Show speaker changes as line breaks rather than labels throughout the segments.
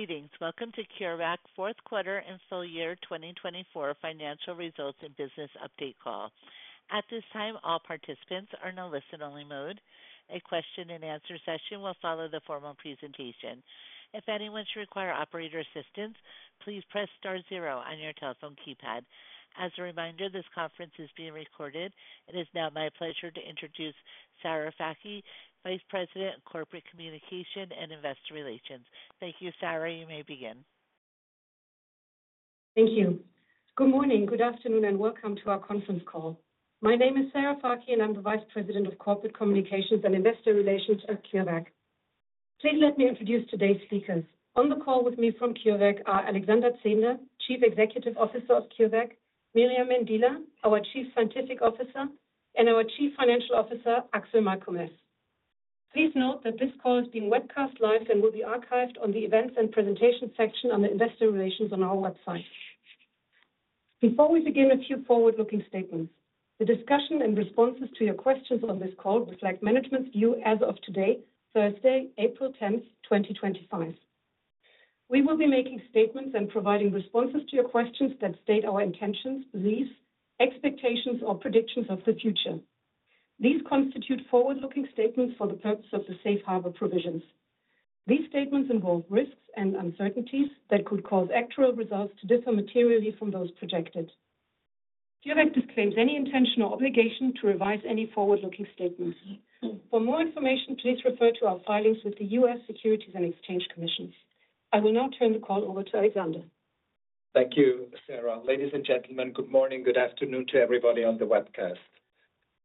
Greetings. Welcome to CureVac's Fourth Quarter and Full Year 2024 Financial Results and Business Update Call. At this time, all participants are in a listen-only mode. A question-and-answer session will follow the formal presentation. If anyone should require operator assistance, please press star zero on your telephone keypad. As a reminder, this conference is being recorded. It is now my pleasure to introduce Sarah Fakih, Vice President of Corporate Communications and Investor Relations. Thank you, Sarah. You may begin.
Thank you. Good morning, good afternoon, and welcome to our conference call. My name is Sarah Fakih, and I'm the Vice President of Corporate Communications and Investor Relations at CureVac. Please let me introduce today's speakers. On the call with me from CureVac are Alexander Zehnder, Chief Executive Officer of CureVac; Myriam Mendila, our Chief Scientific Officer; and our Chief Financial Officer, Axel Malkomes. Please note that this call is being webcast live and will be archived on the events and presentations section under investor relations on our website. Before we begin, a few forward-looking statements. The discussion and responses to your questions on this call reflect management's view as of today, Thursday, April 10th, 2025. We will be making statements and providing responses to your questions that state our intentions, beliefs, expectations, or predictions of the future. These constitute forward-looking statements for the purpose of the safe harbor provisions. These statements involve risks and uncertainties that could cause actual results to differ materially from those projected. CureVac disclaims any intention or obligation to revise any forward-looking statements. For more information, please refer to our filings with the U.S. Securities and Exchange Commission. I will now turn the call over to Alexander.
Thank you, Sarah. Ladies and gentlemen, good morning, good afternoon to everybody on the webcast.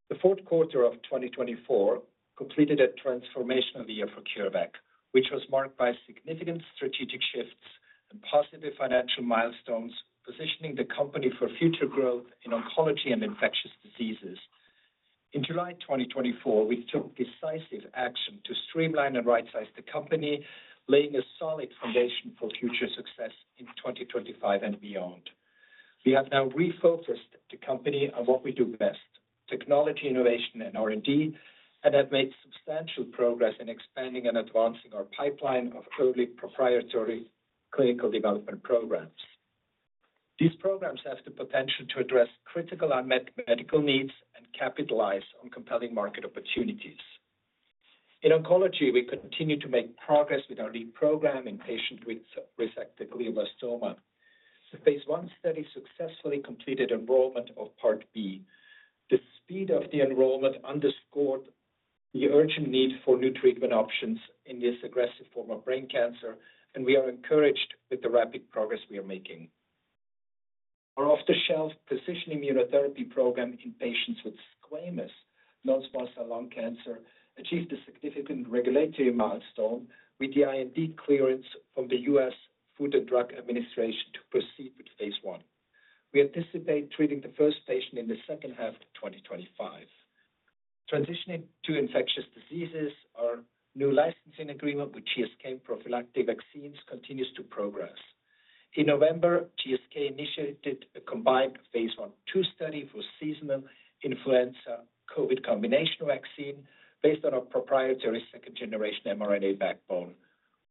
The fourth quarter of 2024 completed a transformational year for CureVac, which was marked by significant strategic shifts and positive financial milestones, positioning the company for future growth in oncology and infectious diseases. In July 2024, we took decisive action to streamline and right-size the company, laying a solid foundation for future success in 2025 and beyond. We have now refocused the company on what we do best: technology, innovation, and R&D, and have made substantial progress in expanding and advancing our pipeline of early proprietary clinical development programs. These programs have the potential to address critical unmet medical needs and capitalize on compelling market opportunities. In oncology, we continue to make progress with our reprogramming patients with resected glioblastoma. The phase I study successfully completed enrollment of part B. The speed of the enrollment underscored the urgent need for new treatment options in this aggressive form of brain cancer, and we are encouraged with the rapid progress we are making. Our off-the-shelf precision immunotherapy program in patients with squamous non-small cell lung cancer achieved a significant regulatory milestone with the IND clearance from the U.S. Food and Drug Administration to proceed with phase I. We anticipate treating the first patient in the second half of 2025. Transitioning to infectious diseases, our new licensing agreement with GSK prophylactic vaccines continues to progress. In November, GSK initiated a combined phase I, II study for seasonal influenza COVID combination vaccine based on our proprietary second-generation mRNA backbone,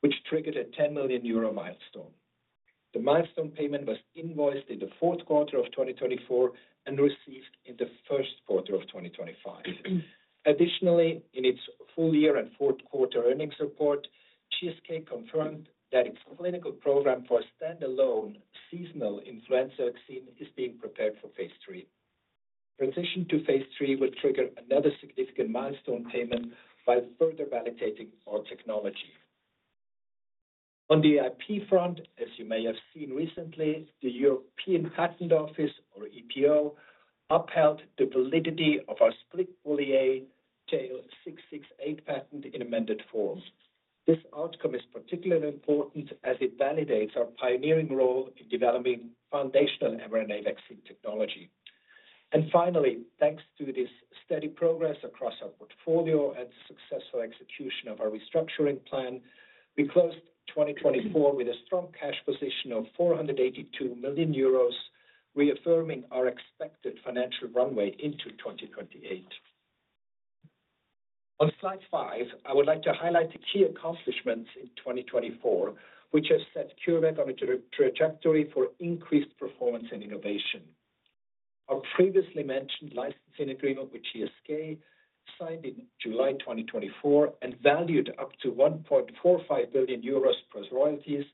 which triggered a 10 million euro milestone. The milestone payment was invoiced in the fourth quarter of 2024 and received in the first quarter of 2025. Additionally, in its full year and fourth quarter earnings report, GSK confirmed that its clinical program for a standalone seasonal influenza vaccine is being prepared for phase III. Transition to phase III will trigger another significant milestone payment by further validating our technology. On the IP front, as you may have seen recently, the European Patent Office, or EPO, upheld the validity of our split poly-A tail 668 patent in amended form. This outcome is particularly important as it validates our pioneering role in developing foundational mRNA vaccine technology. Finally, thanks to this steady progress across our portfolio and the successful execution of our restructuring plan, we closed 2024 with a strong cash position of 482 million euros, reaffirming our expected financial runway into 2028. On slide five, I would like to highlight the key accomplishments in 2024, which have set CureVac on a trajectory for increased performance and innovation. Our previously mentioned licensing agreement with GSK, signed in July 2024 and valued up to 1.45 billion euros plus royalties,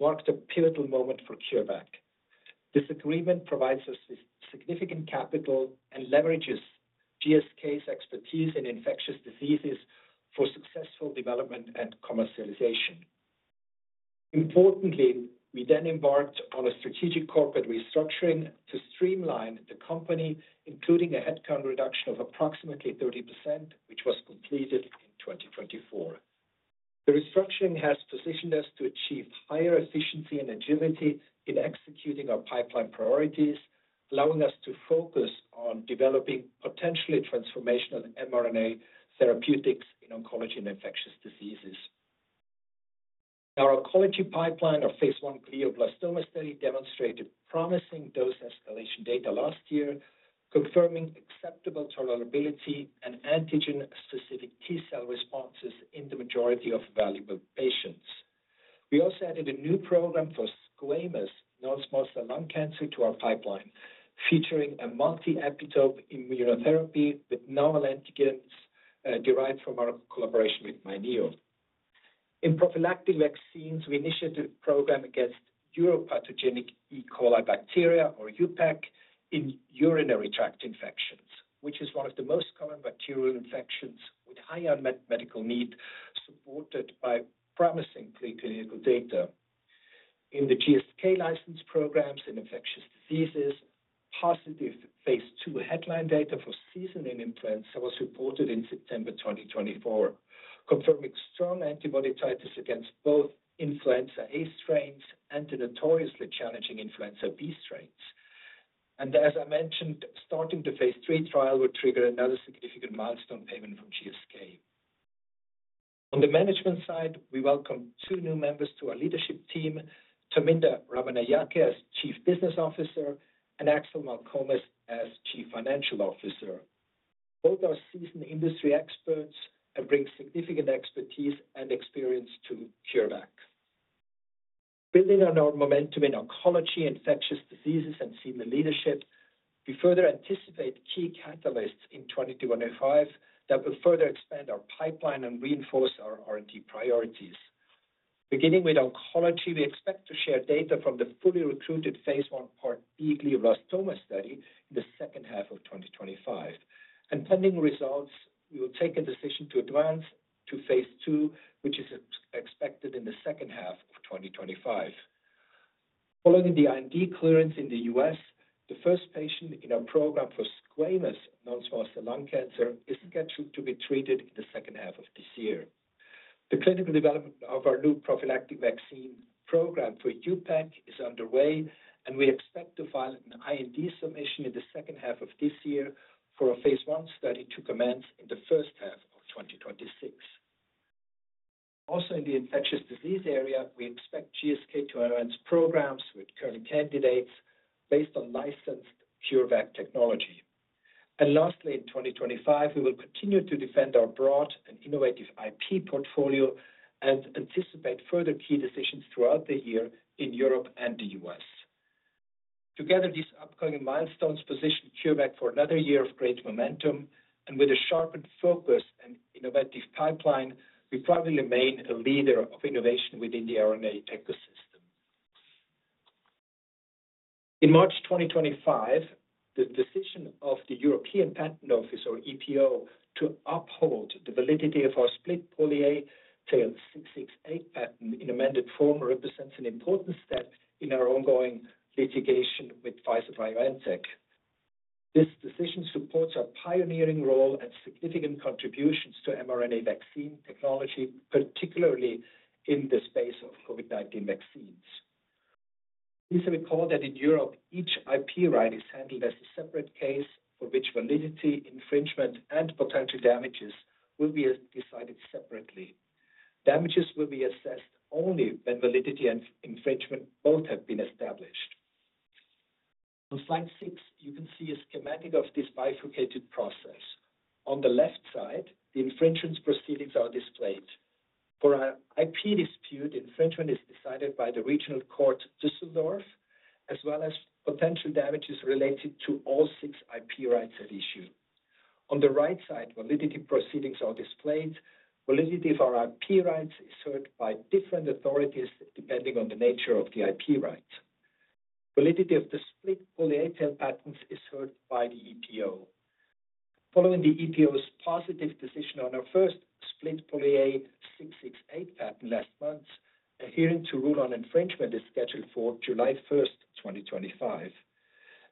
marked a pivotal moment for CureVac. This agreement provides us with significant capital and leverages GSK's expertise in infectious diseases for successful development and commercialization. Importantly, we then embarked on a strategic corporate restructuring to streamline the company, including a headcount reduction of approximately 30%, which was completed in 2024. The restructuring has positioned us to achieve higher efficiency and agility in executing our pipeline priorities, allowing us to focus on developing potentially transformational mRNA therapeutics in oncology and infectious diseases. Our oncology pipeline, our phase I glioblastoma study, demonstrated promising dose escalation data last year, confirming acceptable tolerability and antigen-specific T cell responses in the majority of valuable patients. We also added a new program for squamous non-small cell lung cancer to our pipeline, featuring a multi-epitope immunotherapy with novel antigens derived from our collaboration with myNEO. In prophylactic vaccines, we initiated a program against uropathogenic E. coli bacteria, or UPEC, in urinary tract infections, which is one of the most common bacterial infections with high unmet medical need, supported by promising clinical data. In the GSK license programs in infectious diseases, positive phase II headline data for seasonal influenza was reported in September 2024, confirming strong antibody titers against both influenza A strains and the notoriously challenging influenza B strains. As I mentioned, starting the phase III trial would trigger another significant milestone payment from GSK. On the management side, we welcome two new members to our leadership team, Thaminda Ramanayake as Chief Business Officer and Axel Malkomes as Chief Financial Officer. Both are seasoned industry experts and bring significant expertise and experience to CureVac. Building on our momentum in oncology, infectious diseases, and senior leadership, we further anticipate key catalysts in 2025 that will further expand our pipeline and reinforce our R&D priorities. Beginning with oncology, we expect to share data from the fully recruited phase I part B glioblastoma study in the second half of 2025. Pending results, we will take a decision to advance to phase II, which is expected in the second half of 2025. Following the IND clearance in the U.S., the first patient in our program for squamous non-small cell lung cancer is scheduled to be treated in the second half of this year. The clinical development of our new prophylactic vaccine program for UPEC is underway, and we expect to file an IND submission in the second half of this year for a phase I study to commence in the first half of 2026. Also, in the infectious disease area, we expect GSK to advance programs with current candidates based on licensed CureVac technology. Lastly, in 2025, we will continue to defend our broad and innovative IP portfolio and anticipate further key decisions throughout the year in Europe and the U.S. Together, these upcoming milestones position CureVac for another year of great momentum, and with a sharpened focus and innovative pipeline, we probably remain a leader of innovation within the R&D ecosystem. In March 2025, the decision of the European Patent Office, or EPO, to uphold the validity of our split poly-A tail 668 patent in amended form represents an important step in our ongoing litigation with Pfizer-BioNTech. This decision supports our pioneering role and significant contributions to mRNA vaccine technology, particularly in the space of COVID-19 vaccines. Please recall that in Europe, each IP right is handled as a separate case, for which validity, infringement, and potential damages will be decided separately. Damages will be assessed only when validity and infringement both have been established. On slide six, you can see a schematic of this bifurcated process. On the left side, the infringement proceedings are displayed. For our IP dispute, infringement is decided by the regional court Düsseldorf, as well as potential damages related to all six IP rights at issue. On the right side, validity proceedings are displayed. Validity of our IP rights is heard by different authorities depending on the nature of the IP rights. Validity of the split poly-A tail patents is heard by the EPO. Following the EPO's positive decision on our first split poly-A tail 668 patent last month, a hearing to rule on infringement is scheduled for July 1, 2025.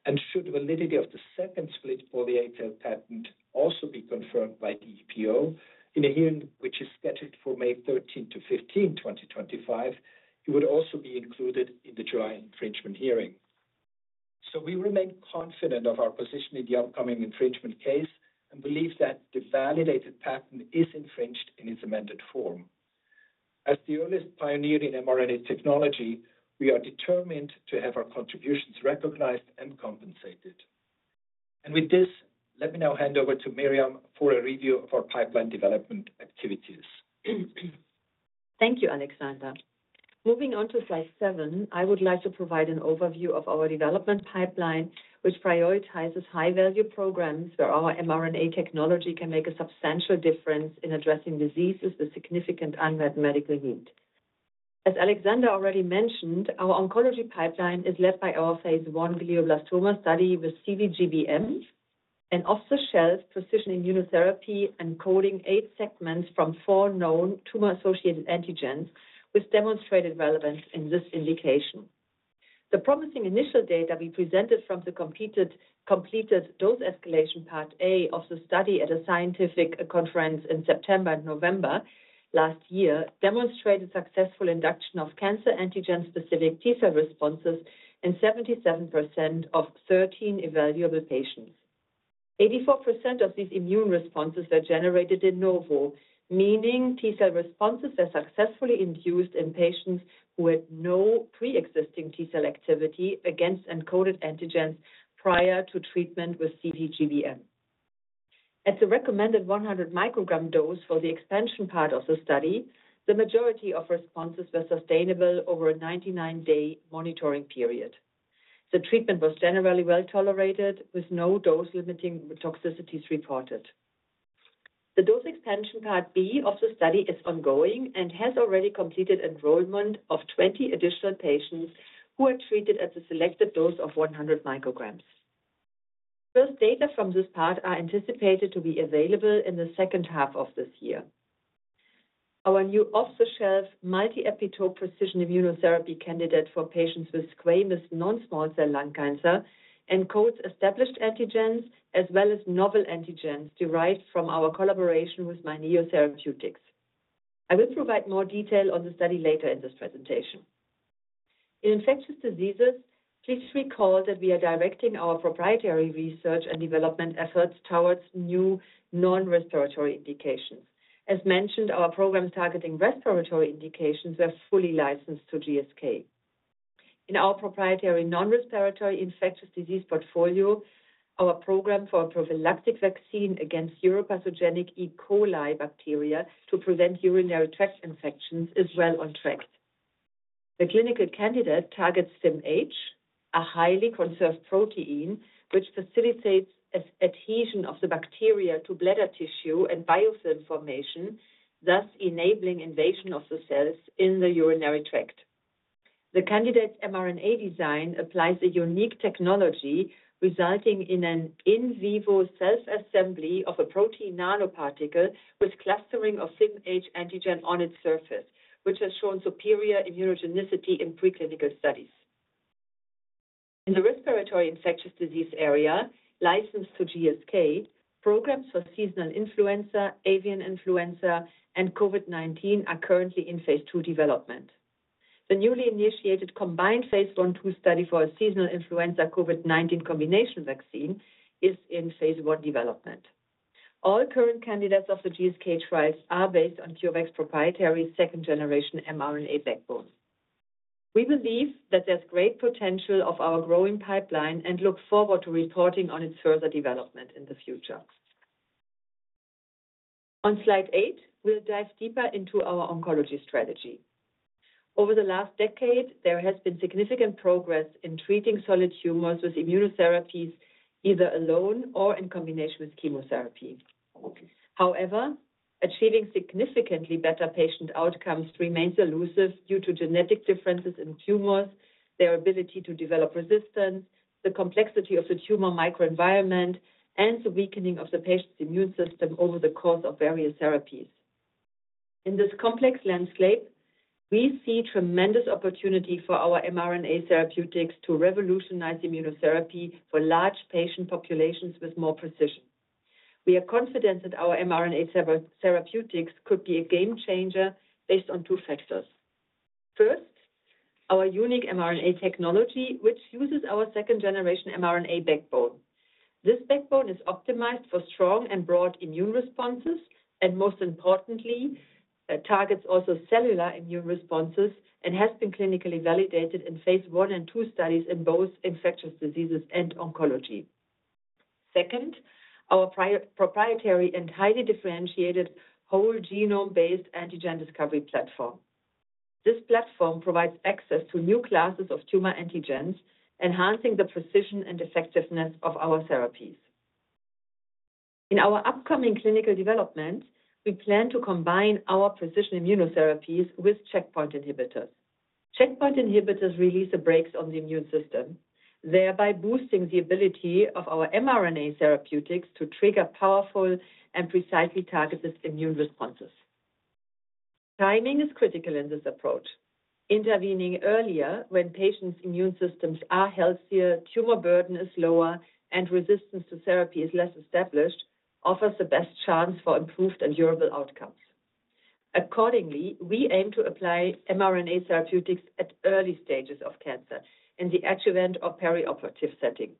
If validity of the second split poly-A tail patent is also confirmed by the EPO in a hearing which is scheduled for May 13 to 15, 2025, it would also be included in the July infringement hearing. We remain confident of our position in the upcoming infringement case and believe that the validated patent is infringed in its amended form. As the earliest pioneer in mRNA technology, we are determined to have our contributions recognized and compensated. With this, let me now hand over to Myriam for a review of our pipeline development activities.
Thank you, Alexander. Moving on to slide seven, I would like to provide an overview of our development pipeline, which prioritizes high-value programs where our mRNA technology can make a substantial difference in addressing diseases with significant unmet medical need. As Alexander already mentioned, our oncology pipeline is led by our phase I glioblastoma study with CVGBM and off-the-shelf precision immunotherapy encoding eight segments from four known tumor-associated antigens, which demonstrated relevance in this indication. The promising initial data we presented from the completed dose escalation part A of the study at a scientific conference in September and November last year demonstrated successful induction of cancer antigen-specific T cell responses in 77% of 13 evaluable patients. 84% of these immune responses were generated in novo, meaning T cell responses were successfully induced in patients who had no pre-existing T cell activity against encoded antigens prior to treatment with CVGBM. At the recommended 100 microgram dose for the expansion part of the study, the majority of responses were sustainable over a 99-day monitoring period. The treatment was generally well tolerated with no dose-limiting toxicities reported. The dose expansion part B of the study is ongoing and has already completed enrollment of 20 additional patients who are treated at the selected dose of 100 micrograms. First data from this part are anticipated to be available in the second half of this year. Our new off-the-shelf multi-epitope precision immunotherapy candidate for patients with squamous non-small cell lung cancer encodes established antigens as well as novel antigens derived from our collaboration with myNEO Therapeutics. I will provide more detail on the study later in this presentation. In infectious diseases, please recall that we are directing our proprietary research and development efforts towards new non-respiratory indications. As mentioned, our programs targeting respiratory indications were fully licensed to GSK. In our proprietary non-respiratory infectious disease portfolio, our program for a prophylactic vaccine against uropathogenic E. coli bacteria to prevent urinary tract infections is well on track. The clinical candidate targets SIMH, a highly conserved protein which facilitates adhesion of the bacteria to bladder tissue and biofilm formation, thus enabling invasion of the cells in the urinary tract. The candidate's mRNA design applies a unique technology resulting in an in vivo self-assembly of a protein nanoparticle with clustering of SIMH antigen on its surface, which has shown superior immunogenicity in preclinical studies. In the respiratory infectious disease area, licensed to GSK, programs for seasonal influenza, avian influenza, and COVID-19 are currently in phase II development. The newly initiated combined phase I, II study for a seasonal influenza COVID-19 combination vaccine is in phase I development. All current candidates of the GSK trials are based on CureVac's proprietary second-generation mRNA backbone. We believe that there's great potential of our growing pipeline and look forward to reporting on its further development in the future. On slide eight, we'll dive deeper into our oncology strategy. Over the last decade, there has been significant progress in treating solid tumors with immunotherapies either alone or in combination with chemotherapy. However, achieving significantly better patient outcomes remains elusive due to genetic differences in tumors, their ability to develop resistance, the complexity of the tumor microenvironment, and the weakening of the patient's immune system over the course of various therapies. In this complex landscape, we see tremendous opportunity for our mRNA therapeutics to revolutionize immunotherapy for large patient populations with more precision. We are confident that our mRNA therapeutics could be a game changer based on two factors. First, our unique mRNA technology, which uses our second-generation mRNA backbone. This backbone is optimized for strong and broad immune responses and, most importantly, targets also cellular immune responses and has been clinically validated in phase I and II studies in both infectious diseases and oncology. Second, our proprietary and highly differentiated whole genome-based antigen discovery platform. This platform provides access to new classes of tumor antigens, enhancing the precision and effectiveness of our therapies. In our upcoming clinical development, we plan to combine our precision immunotherapies with checkpoint inhibitors. Checkpoint inhibitors release a brake on the immune system, thereby boosting the ability of our mRNA therapeutics to trigger powerful and precisely targeted immune responses. Timing is critical in this approach. Intervening earlier when patients' immune systems are healthier, tumor burden is lower, and resistance to therapy is less established offers the best chance for improved and durable outcomes. Accordingly, we aim to apply mRNA therapeutics at early stages of cancer in the adjuvant or perioperative setting.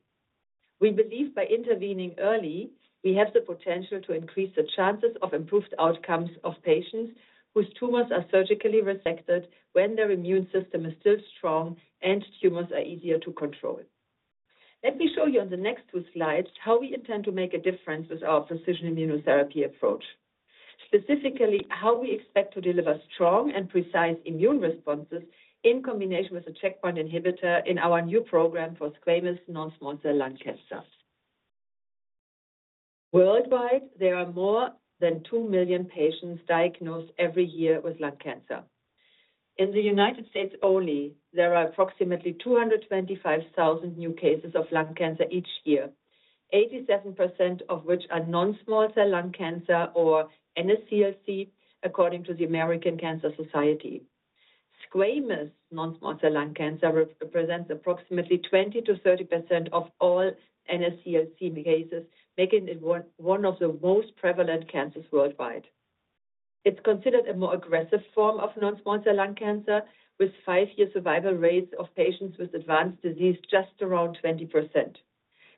We believe by intervening early, we have the potential to increase the chances of improved outcomes of patients whose tumors are surgically resected when their immune system is still strong and tumors are easier to control. Let me show you on the next two slides how we intend to make a difference with our precision immunotherapy approach, specifically how we expect to deliver strong and precise immune responses in combination with a checkpoint inhibitor in our new program for squamous non-small cell lung cancer. Worldwide, there are more than two million patients diagnosed every year with lung cancer. In the United States only, there are approximately 225,000 new cases of lung cancer each year, 87% of which are non-small cell lung cancer or NSCLC, according to the American Cancer Society. Squamous non-small cell lung cancer represents approximately 20%-30% of all NSCLC cases, making it one of the most prevalent cancers worldwide. It is considered a more aggressive form of non-small cell lung cancer, with five-year survival rates of patients with advanced disease just around 20%.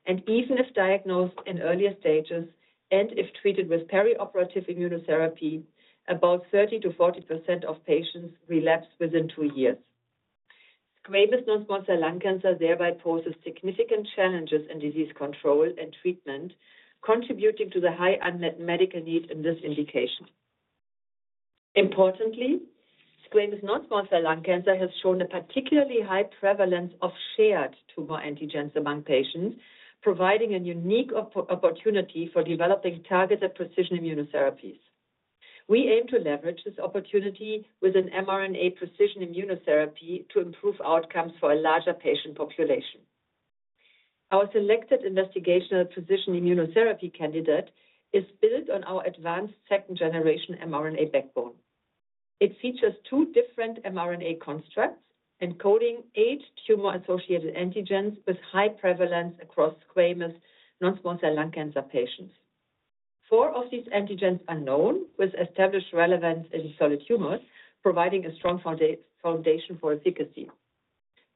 Even if diagnosed in earlier stages and if treated with perioperative immunotherapy, about 30%-40% of patients relapse within two years. Squamous non-small cell lung cancer thereby poses significant challenges in disease control and treatment, contributing to the high unmet medical need in this indication. Importantly, squamous non-small cell lung cancer has shown a particularly high prevalence of shared tumor antigens among patients, providing a unique opportunity for developing targeted precision immunotherapies. We aim to leverage this opportunity with an mRNA precision immunotherapy to improve outcomes for a larger patient population. Our selected investigational precision immunotherapy candidate is built on our advanced second-generation mRNA backbone. It features two different mRNA constructs encoding eight tumor-associated antigens with high prevalence across squamous non-small cell lung cancer patients. Four of these antigens are known with established relevance in solid tumors, providing a strong foundation for efficacy.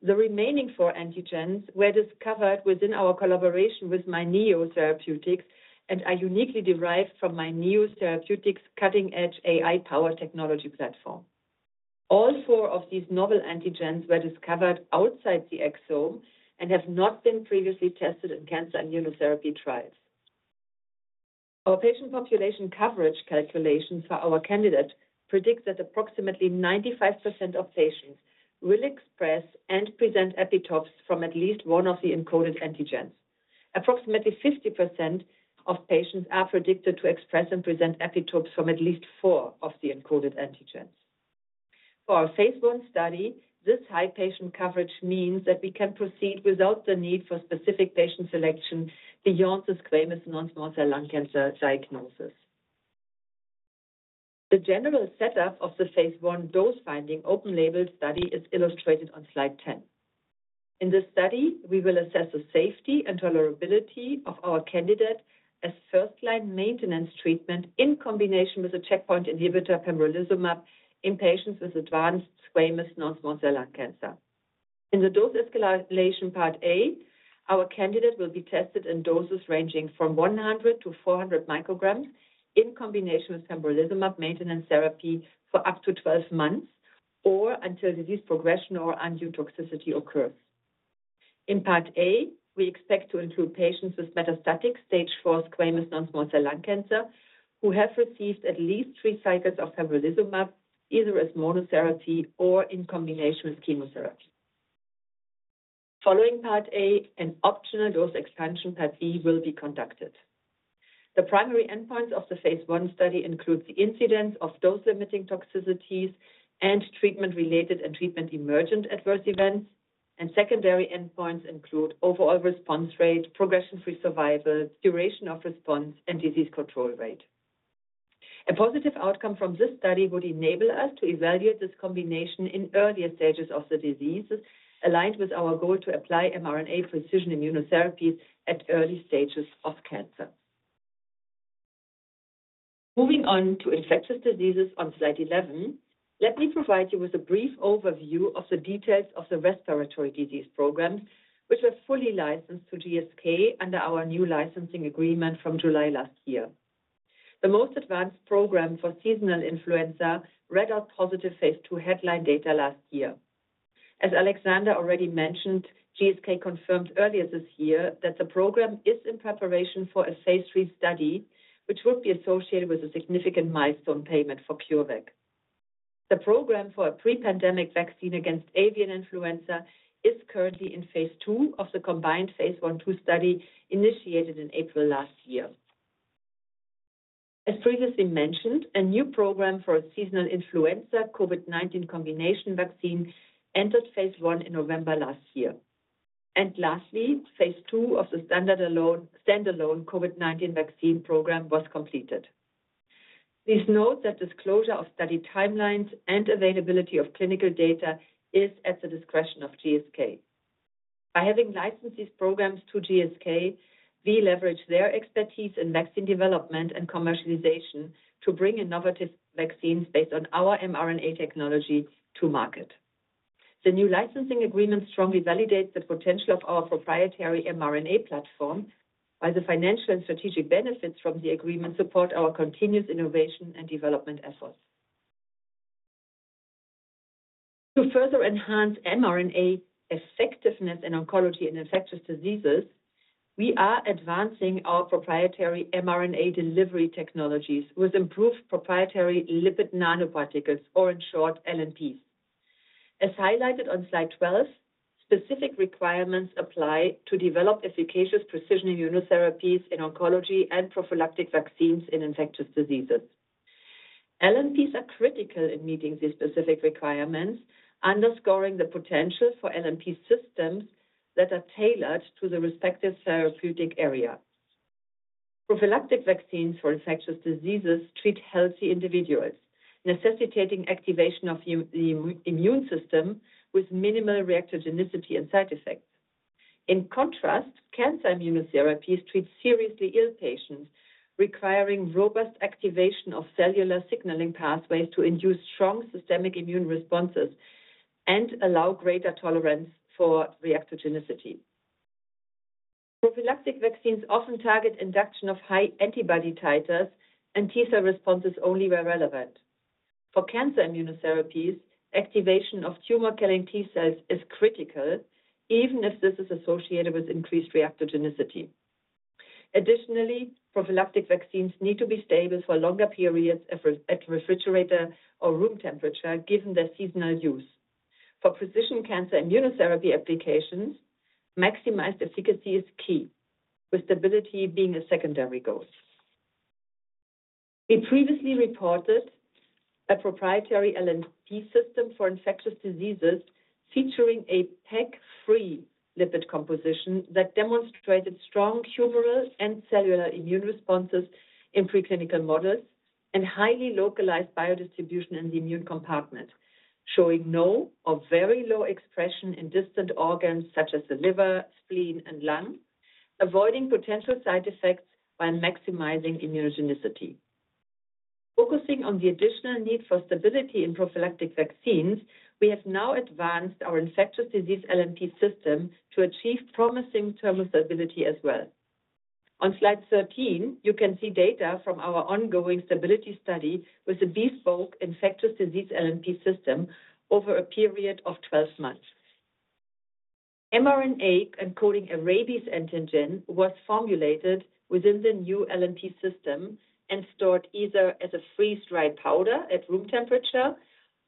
The remaining four antigens were discovered within our collaboration with myNEO Therapeutics and are uniquely derived from myNEO Therapeutics' cutting-edge AI-powered technology platform. All four of these novel antigens were discovered outside the exome and have not been previously tested in cancer immunotherapy trials. Our patient population coverage calculations for our candidate predict that approximately 95% of patients will express and present epitopes from at least one of the encoded antigens. Approximately 50% of patients are predicted to express and present epitopes from at least four of the encoded antigens. For our phase I study, this high patient coverage means that we can proceed without the need for specific patient selection beyond the squamous non-small cell lung cancer diagnosis. The general setup of the phase I dose-finding open-label study is illustrated on slide 10. In this study, we will assess the safety and tolerability of our candidate as first-line maintenance treatment in combination with a checkpoint inhibitor, pembrolizumab, in patients with advanced squamous non-small cell lung cancer. In the dose escalation part A, our candidate will be tested in doses ranging from 100 micrograms-400 micrograms in combination with pembrolizumab maintenance therapy for up to 12 months or until disease progression or undue toxicity occurs. In part A, we expect to include patients with metastatic stage IV squamous non-small cell lung cancer who have received at least three cycles of pembrolizumab, either as monotherapy or in combination with chemotherapy. Following part A, an optional dose expansion part B will be conducted. The primary endpoints of the phase I study include the incidence of dose-limiting toxicities and treatment-related and treatment-emergent adverse events, and secondary endpoints include overall response rate, progression-free survival, duration of response, and disease control rate. A positive outcome from this study would enable us to evaluate this combination in earlier stages of the diseases, aligned with our goal to apply mRNA precision immunotherapies at early stages of cancer. Moving on to infectious diseases on slide 11, let me provide you with a brief overview of the details of the respiratory disease programs, which were fully licensed to GSK under our new licensing agreement from July last year. The most advanced program for seasonal influenza read out positive phase II headline data last year. As Alexander already mentioned, GSK confirmed earlier this year that the program is in preparation for a phase III study, which would be associated with a significant milestone payment for CureVac. The program for a pre-pandemic vaccine against avian influenza is currently in phase II of the combined phase I, II study initiated in April last year. As previously mentioned, a new program for a seasonal influenza COVID-19 combination vaccine entered phase I in November last year. Lastly, phase II of the standalone COVID-19 vaccine program was completed. Please note that disclosure of study timelines and availability of clinical data is at the discretion of GSK. By having licensed these programs to GSK, we leverage their expertise in vaccine development and commercialization to bring innovative vaccines based on our mRNA technology to market. The new licensing agreement strongly validates the potential of our proprietary mRNA platform, while the financial and strategic benefits from the agreement support our continuous innovation and development efforts. To further enhance mRNA effectiveness in oncology and infectious diseases, we are advancing our proprietary mRNA delivery technologies with improved proprietary lipid nanoparticles, or in short, LNPs. As highlighted on slide 12, specific requirements apply to develop efficacious precision immunotherapies in oncology and prophylactic vaccines in infectious diseases. LNPs are critical in meeting these specific requirements, underscoring the potential for LNP systems that are tailored to the respective therapeutic area. Prophylactic vaccines for infectious diseases treat healthy individuals, necessitating activation of the immune system with minimal reactogenicity and side effects. In contrast, cancer immunotherapies treat seriously ill patients, requiring robust activation of cellular signaling pathways to induce strong systemic immune responses and allow greater tolerance for reactogenicity. Prophylactic vaccines often target induction of high antibody titers and T-cell responses only where relevant. For cancer immunotherapies, activation of tumor-killing T-cells is critical, even if this is associated with increased reactogenicity. Additionally, prophylactic vaccines need to be stable for longer periods at refrigerator or room temperature, given their seasonal use. For precision cancer immunotherapy applications, maximized efficacy is key, with stability being a secondary goal. We previously reported a proprietary LNP system for infectious diseases featuring a PEG-free lipid composition that demonstrated strong humoral and cellular immune responses in preclinical models and highly localized biodistribution in the immune compartment, showing no or very low expression in distant organs such as the liver, spleen, and lung, avoiding potential side effects while maximizing immunogenicity. Focusing on the additional need for stability in prophylactic vaccines, we have now advanced our infectious disease LNP system to achieve promising thermostability as well. On slide 13, you can see data from our ongoing stability study with the bespoke infectious disease LNP system over a period of 12 months. mRNA encoding a rabies antigen was formulated within the new LNP system and stored either as a freeze-dried powder at room temperature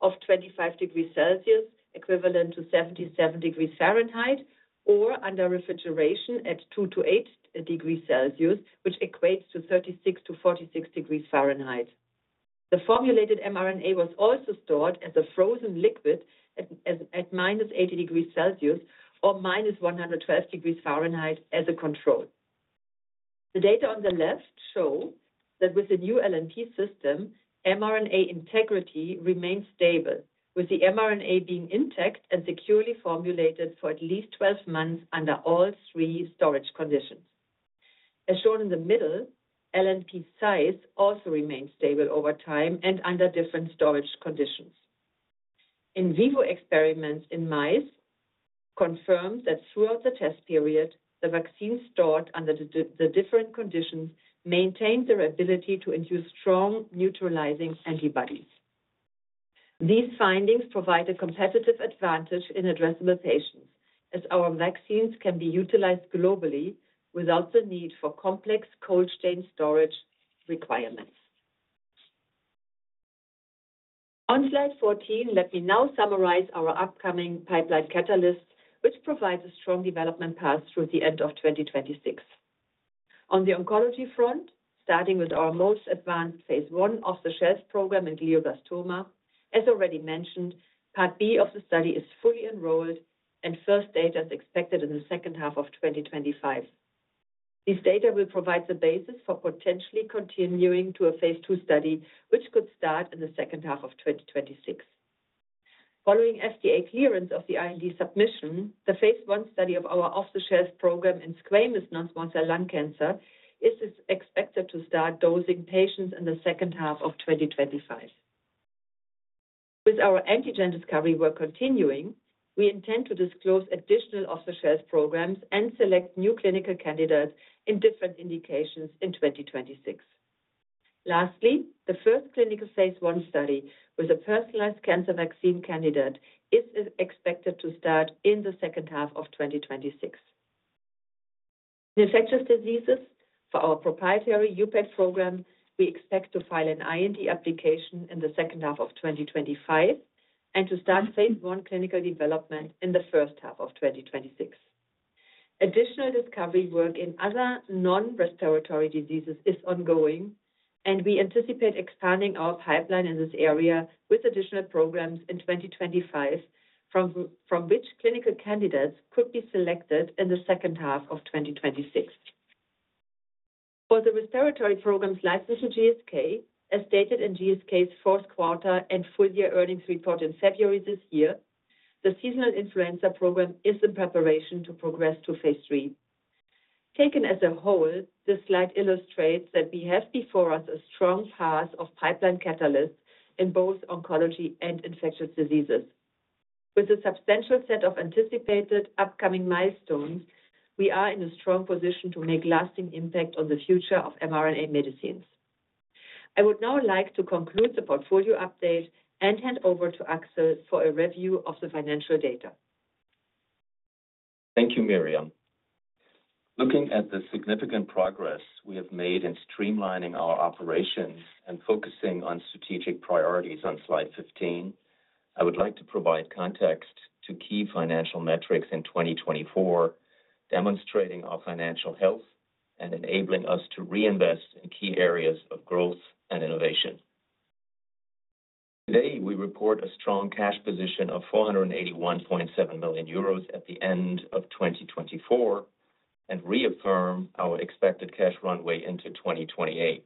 of 25 degrees Celsius, equivalent to 77 degrees Fahrenheit, or under refrigeration at 2 to 8 degrees Celsius, which equates to 36 to 46 degrees Fahrenheit. The formulated mRNA was also stored as a frozen liquid at -80 degrees Celsius or -112 degrees Fahrenheit as a control. The data on the left show that with the new LNP system, mRNA integrity remains stable, with the mRNA being intact and securely formulated for at least 12 months under all three storage conditions. As shown in the middle, LNP size also remains stable over time and under different storage conditions. In vivo experiments in mice confirmed that throughout the test period, the vaccines stored under the different conditions maintained their ability to induce strong neutralizing antibodies. These findings provide a competitive advantage in addressable patients, as our vaccines can be utilized globally without the need for complex cold-chain storage requirements. On slide 14, let me now summarize our upcoming pipeline catalysts, which provide a strong development path through the end of 2026. On the oncology front, starting with our most advanced phase I off-the-shelf program in glioblastoma, as already mentioned, part B of the study is fully enrolled, and first data is expected in the second half of 2025. These data will provide the basis for potentially continuing to a phase II study, which could start in the second half of 2026. Following FDA clearance of the IND submission, the phase I study of our off-the-shelf program in squamous non-small cell lung cancer is expected to start dosing patients in the second half of 2025. With our antigen discovery work continuing, we intend to disclose additional off-the-shelf programs and select new clinical candidates in different indications in 2026. Lastly, the first clinical phase I study with a personalized cancer vaccine candidate is expected to start in the second half of 2026. In infectious diseases, for our proprietary UPEC Vaccine program, we expect to file an IND application in the second half of 2025 and to start phase I clinical development in the first half of 2026. Additional discovery work in other non-respiratory diseases is ongoing, and we anticipate expanding our pipeline in this area with additional programs in 2025, from which clinical candidates could be selected in the second half of 2026. For the respiratory programs licensed to GSK, as stated in GSK's fourth quarter and full-year earnings report in February this year, the seasonal influenza program is in preparation to progress to phase III. Taken as a whole, this slide illustrates that we have before us a strong path of pipeline catalysts in both oncology and infectious diseases. With a substantial set of anticipated upcoming milestones, we are in a strong position to make lasting impact on the future of mRNA medicines. I would now like to conclude the portfolio update and hand over to Axel for a review of the financial data.
Thank you, Myriam. Looking at the significant progress we have made in streamlining our operations and focusing on strategic priorities on slide 15, I would like to provide context to key financial metrics in 2024, demonstrating our financial health and enabling us to reinvest in key areas of growth and innovation. Today, we report a strong cash position of 481.7 million euros at the end of 2024 and reaffirm our expected cash runway into 2028.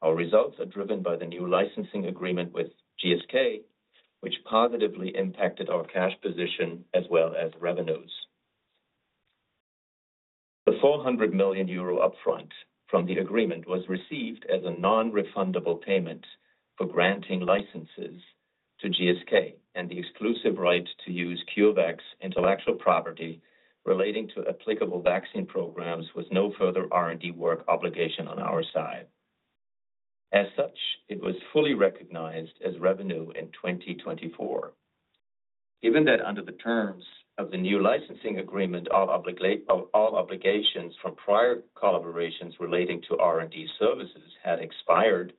Our results are driven by the new licensing agreement with GSK, which positively impacted our cash position as well as revenues. The 400 million euro upfront from the agreement was received as a non-refundable payment for granting licenses to GSK, and the exclusive right to use CureVac's intellectual property relating to applicable vaccine programs with no further R&D work obligation on our side. As such, it was fully recognized as revenue in 2024. Given that under the terms of the new licensing agreement, all obligations from prior collaborations relating to R&D services had expired,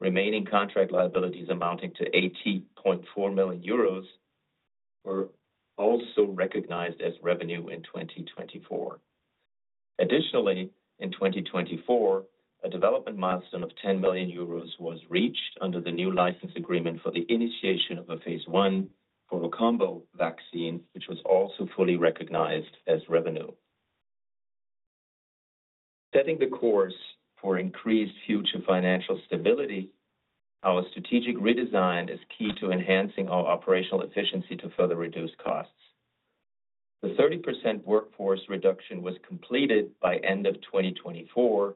remaining contract liabilities amounting to 80.4 million euros were also recognized as revenue in 2024. Additionally, in 2024, a development milestone of 10 million euros was reached under the new license agreement for the initiation of a phase I for a combo vaccine, which was also fully recognized as revenue. Setting the course for increased future financial stability, our strategic redesign is key to enhancing our operational efficiency to further reduce costs. The 30% workforce reduction was completed by the end of 2024,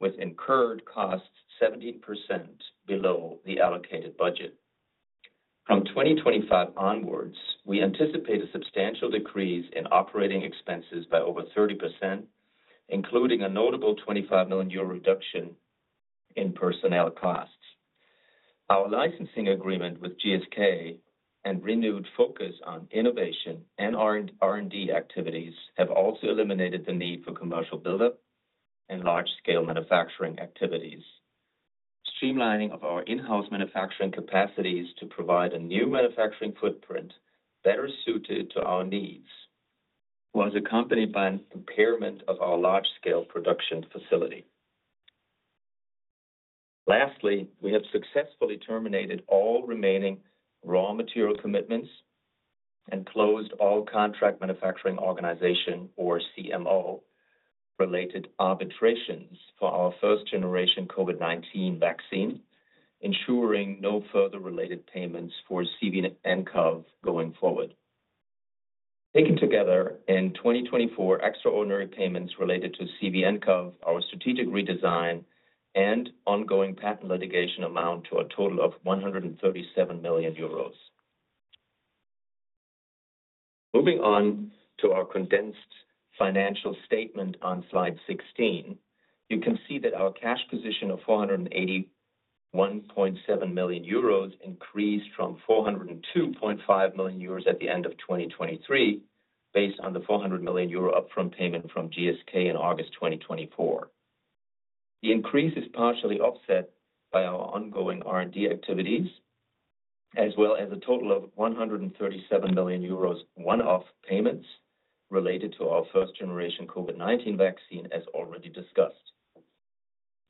which incurred costs 17% below the allocated budget. From 2025 onwards, we anticipate a substantial decrease in operating expenses by over 30%, including a notable 25 million euro reduction in personnel costs. Our licensing agreement with GSK and renewed focus on innovation and R&D activities have also eliminated the need for commercial buildup and large-scale manufacturing activities. Streamlining of our in-house manufacturing capacities to provide a new manufacturing footprint better suited to our needs was accompanied by an impairment of our large-scale production facility. Lastly, we have successfully terminated all remaining raw material commitments and closed all contract manufacturing organization, or CMO, related arbitrations for our first-generation COVID-19 vaccine, ensuring no further related payments for CVnCoV going forward. Taken together, in 2024, extraordinary payments related to CVnCoV, our strategic redesign, and ongoing patent litigation amount to a total of 137 million euros. Moving on to our condensed financial statement on slide 16, you can see that our cash position of 481.7 million euros increased from 402.5 million euros at the end of 2023, based on the 400 million euro upfront payment from GSK in August 2024. The increase is partially offset by our ongoing R&D activities, as well as a total of 137 million euros one-off payments related to our first-generation COVID-19 vaccine, as already discussed.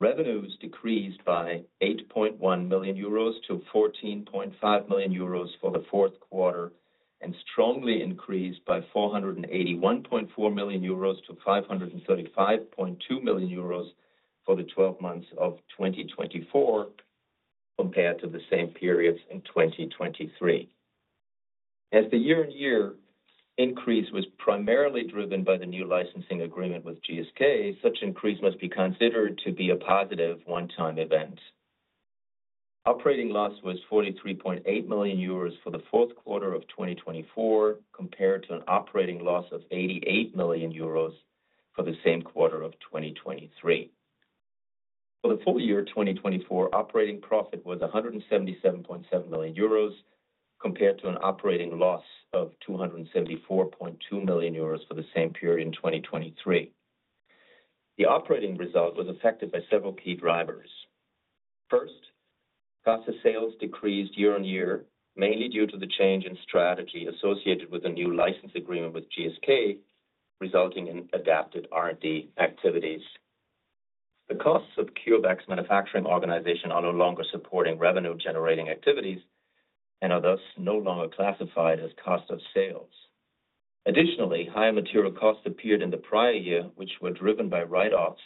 Revenues decreased by 8.1 million-14.5 million euros for the fourth quarter and strongly increased by 481.4 million-535.2 million euros for the 12 months of 2024, compared to the same periods in 2023. As the year-on-year increase was primarily driven by the new licensing agreement with GSK, such increase must be considered to be a positive one-time event. Operating loss was 43.8 million euros for the fourth quarter of 2024, compared to an operating loss of 88 million euros for the same quarter of 2023. For the full year, 2024, operating profit was 177.7 million euros, compared to an operating loss of 274.2 million euros for the same period in 2023. The operating result was affected by several key drivers. First, cost of sales decreased year-on-year, mainly due to the change in strategy associated with the new license agreement with GSK, resulting in adapted R&D activities. The costs of CureVac's manufacturing organization are no longer supporting revenue-generating activities and are thus no longer classified as cost of sales. Additionally, higher material costs appeared in the prior year, which were driven by write-offs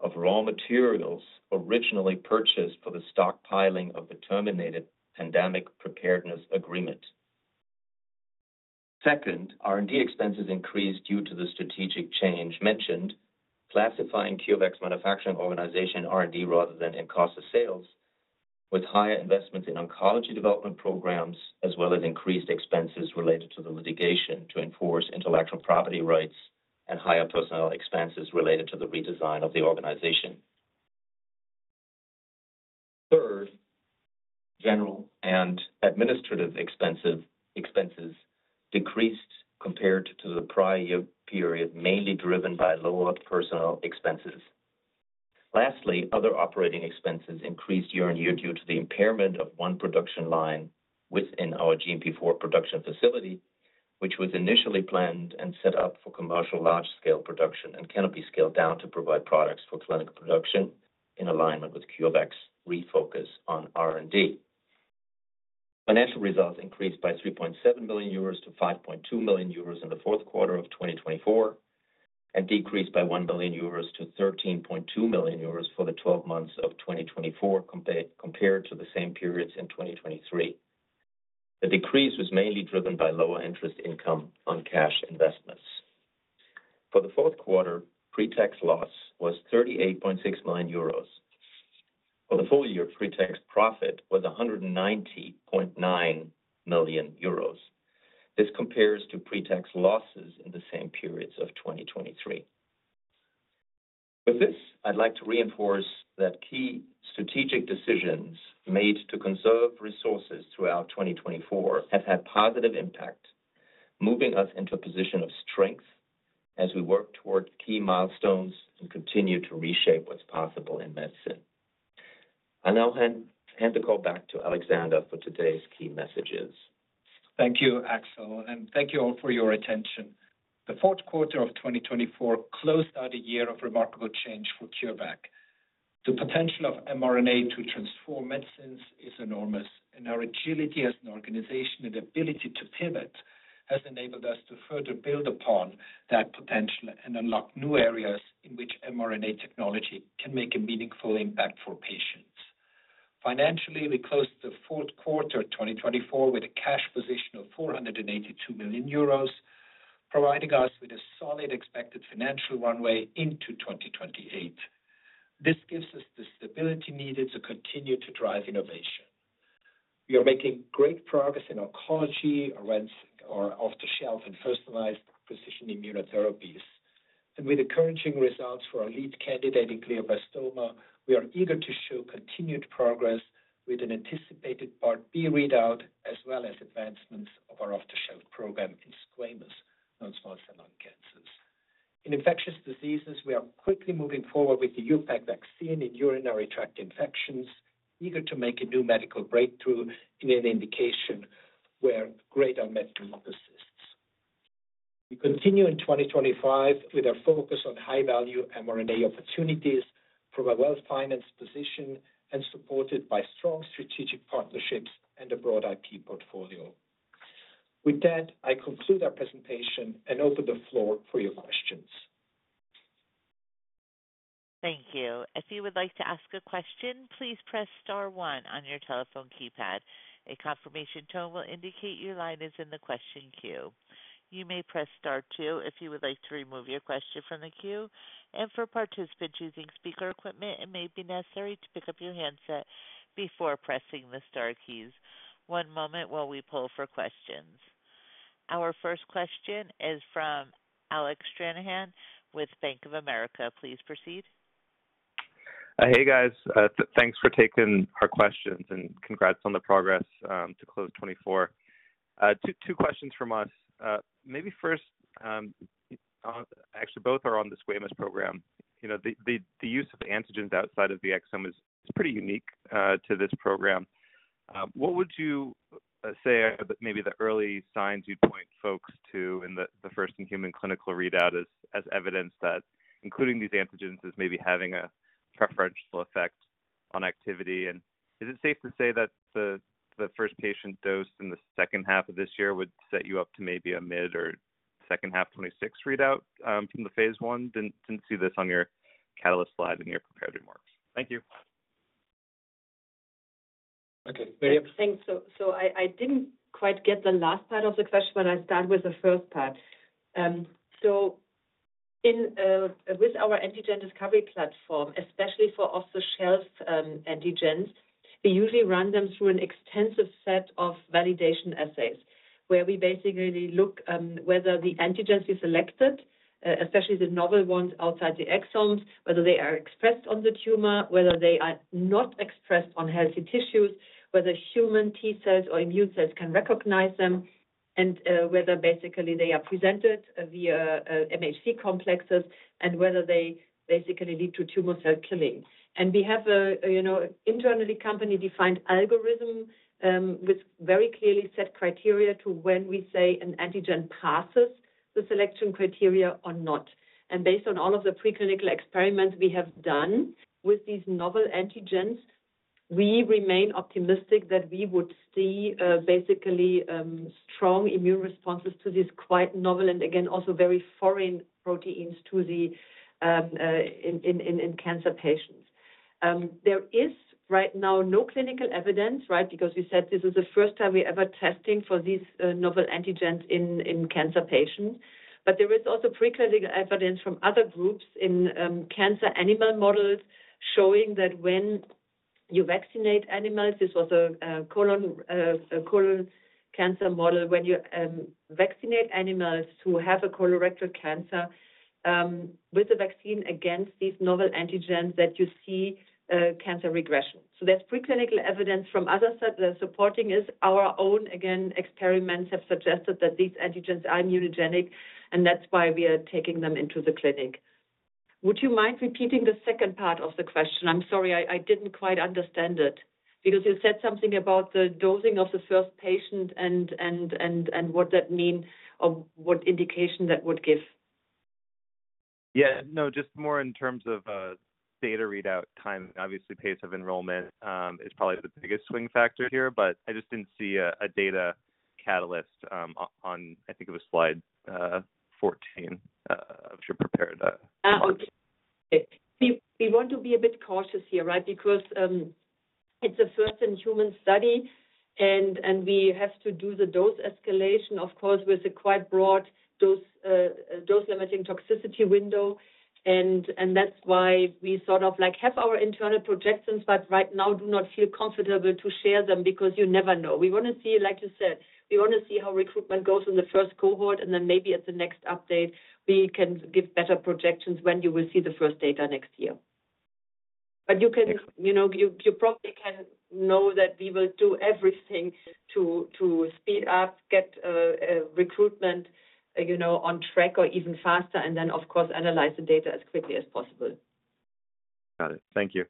of raw materials originally purchased for the stockpiling of the terminated pandemic preparedness agreement. Second, R&D expenses increased due to the strategic change mentioned, classifying CureVac's manufacturing organization R&D rather than in cost of sales, with higher investments in oncology development programs, as well as increased expenses related to the litigation to enforce intellectual property rights and higher personnel expenses related to the redesign of the organization. Third, general and administrative expenses decreased compared to the prior year, mainly driven by lower personnel expenses. Lastly, other operating expenses increased year-on-year due to the impairment of one production line within our GMP4 production facility, which was initially planned and set up for commercial large-scale production and cannot be scaled down to provide products for clinical production in alignment with CureVac's refocus on R&D. Financial results increased by 3.7 million-5.2 million euros in the fourth quarter of 2024 and decreased by 1 million-13.2 million euros for the 12 months of 2024, compared to the same periods in 2023. The decrease was mainly driven by lower interest income on cash investments. For the fourth quarter, pre-tax loss was 38.6 million euros. For the full year, pre-tax profit was 190.9 million euros. This compares to pre-tax losses in the same periods of 2023. With this, I'd like to reinforce that key strategic decisions made to conserve resources throughout 2024 have had positive impact, moving us into a position of strength as we work toward key milestones and continue to reshape what's possible in medicine. I now hand the call back to Alexander for today's key messages.
Thank you, Axel, and thank you all for your attention. The fourth quarter of 2024 closed out a year of remarkable change for CureVac. The potential of mRNA to transform medicines is enormous, and our agility as an organization and ability to pivot has enabled us to further build upon that potential and unlock new areas in which mRNA technology can make a meaningful impact for patients. Financially, we closed the fourth quarter of 2024 with a cash position of 482 million euros, providing us with a solid expected financial runway into 2028. This gives us the stability needed to continue to drive innovation. We are making great progress in oncology, off-the-shelf, and personalized precision immunotherapies, and with encouraging results for our lead candidate in glioblastoma, we are eager to show continued progress with an anticipated part B readout, as well as advancements of our off-the-shelf program in squamous non-small cell lung cancers. In infectious diseases, we are quickly moving forward with the UPEC vaccine in urinary tract infections, eager to make a new medical breakthrough in an indication where great unmet need persists. We continue in 2025 with a focus on high-value mRNA opportunities from a well-financed position and supported by strong strategic partnerships and a broad IP portfolio. With that, I conclude our presentation and open the floor for your questions.
Thank you. If you would like to ask a question, please press star one on your telephone keypad. A confirmation tone will indicate your line is in the question queue. You may press star two if you would like to remove your question from the queue. For participants using speaker equipment, it may be necessary to pick up your handset before pressing the star keys. One moment while we pull for questions. Our first question is from Alec Stranahan with Bank of America. Please proceed.
Hey, guys. Thanks for taking our questions and congrats on the progress to close 2024. Two questions from us. Maybe first, actually, both are on the squamous program. The use of antigens outside of the exome is pretty unique to this program. What would you say are maybe the early signs you'd point folks to in the first-in-human clinical readout as evidence that including these antigens is maybe having a preferential effect on activity? Is it safe to say that the first patient dose in the second half of this year would set you up to maybe a mid or second-half 2026 readout from the phase I? I did not see this on your catalyst slide in your prepared remarks. Thank you.
Okay. Thanks. I did not quite get the last part of the question, but I will start with the first part. With our antigen discovery platform, especially for off-the-shelf antigens, we usually run them through an extensive set of validation assays where we basically look whether the antigens we selected, especially the novel ones outside the exomes, whether they are expressed on the tumor, whether they are not expressed on healthy tissues, whether human T cells or immune cells can recognize them, and whether they are presented via MHC complexes and whether they lead to tumor cell killing. We have an internally company-defined algorithm with very clearly set criteria to when we say an antigen passes the selection criteria or not. Based on all of the preclinical experiments we have done with these novel antigens, we remain optimistic that we would see basically strong immune responses to these quite novel and, again, also very foreign proteins in cancer patients. There is right now no clinical evidence, right, because we said this is the first time we're ever testing for these novel antigens in cancer patients. There is also preclinical evidence from other groups in cancer animal models showing that when you vaccinate animals—this was a colon cancer model—when you vaccinate animals who have a colorectal cancer with the vaccine against these novel antigens, you see cancer regression. There is preclinical evidence from others supporting this. Our own, again, experiments have suggested that these antigens are immunogenic, and that's why we are taking them into the clinic. Would you mind repeating the second part of the question? I'm sorry, I didn't quite understand it because you said something about the dosing of the first patient and what that means or what indication that would give.
Yeah. No, just more in terms of data readout time. Obviously, pace of enrollment is probably the biggest swing factor here, but I just didn't see a data catalyst on, I think, it was slide 14. I should prepare to.
Okay. We want to be a bit cautious here, right, because it's a first-in-human study, and we have to do the dose escalation, of course, with a quite broad dose-limiting toxicity window. That is why we sort of have our internal projections, but right now do not feel comfortable to share them because you never know. We want to see, like you said, we want to see how recruitment goes in the first cohort, and then maybe at the next update, we can give better projections when you will see the first data next year. You probably can know that we will do everything to speed up, get recruitment on track or even faster, and then, of course, analyze the data as quickly as possible.
Got it. Thank you.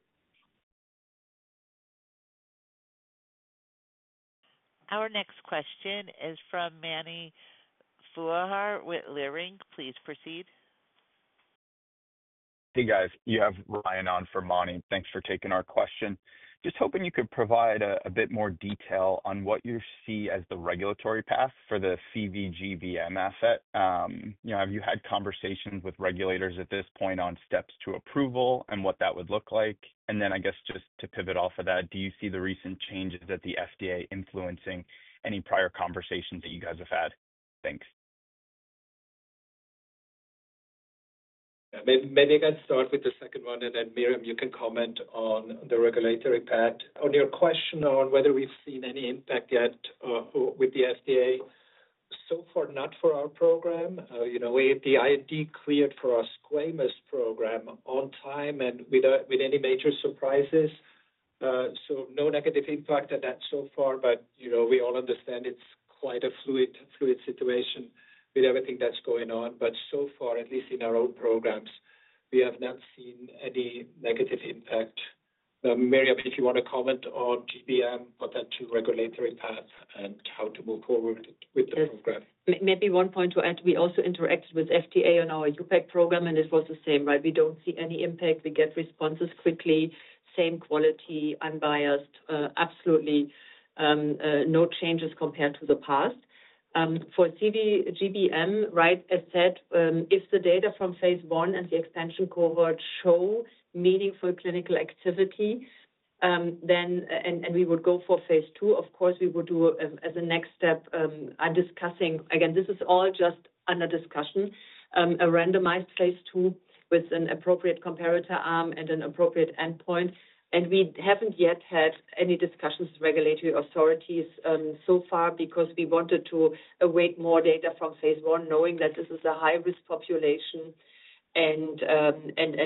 Our next question is from Mani Foroohar with Leerink. Please proceed. Hey, guys. You have Ryan on for Mani. Thanks for taking our question. Just hoping you could provide a bit more detail on what you see as the regulatory path for the CVGBM asset. Have you had conversations with regulators at this point on steps to approval and what that would look like? I guess, just to pivot off of that, do you see the recent changes at the FDA influencing any prior conversations that you guys have had? Thanks.
Maybe I can start with the second one, and then Myriam, you can comment on the regulatory path. On your question on whether we've seen any impact yet with the FDA, so far, not for our program. The IND cleared for our squamous program on time and without any major surprises. No negative impact on that so far. We all understand it's quite a fluid situation with everything that's going on. So far, at least in our own programs, we have not seen any negative impact. Myriam, if you want to comment on GBM, potential regulatory path, and how to move forward with the program.
Maybe one point to add, we also interacted with FDA on our UPEC program, and it was the same, right? We do not see any impact. We get responses quickly, same quality, unbiased, absolutely no changes compared to the past. For GBM, right, as said, if the data from phase I and the expansion cohort show meaningful clinical activity, then we would go for phase II. Of course, we would do as a next step, I am discussing, again, this is all just under discussion, a randomized phase II with an appropriate comparator arm and an appropriate endpoint. We have not yet had any discussions with regulatory authorities so far because we wanted to await more data from phase I, knowing that this is a high-risk population, and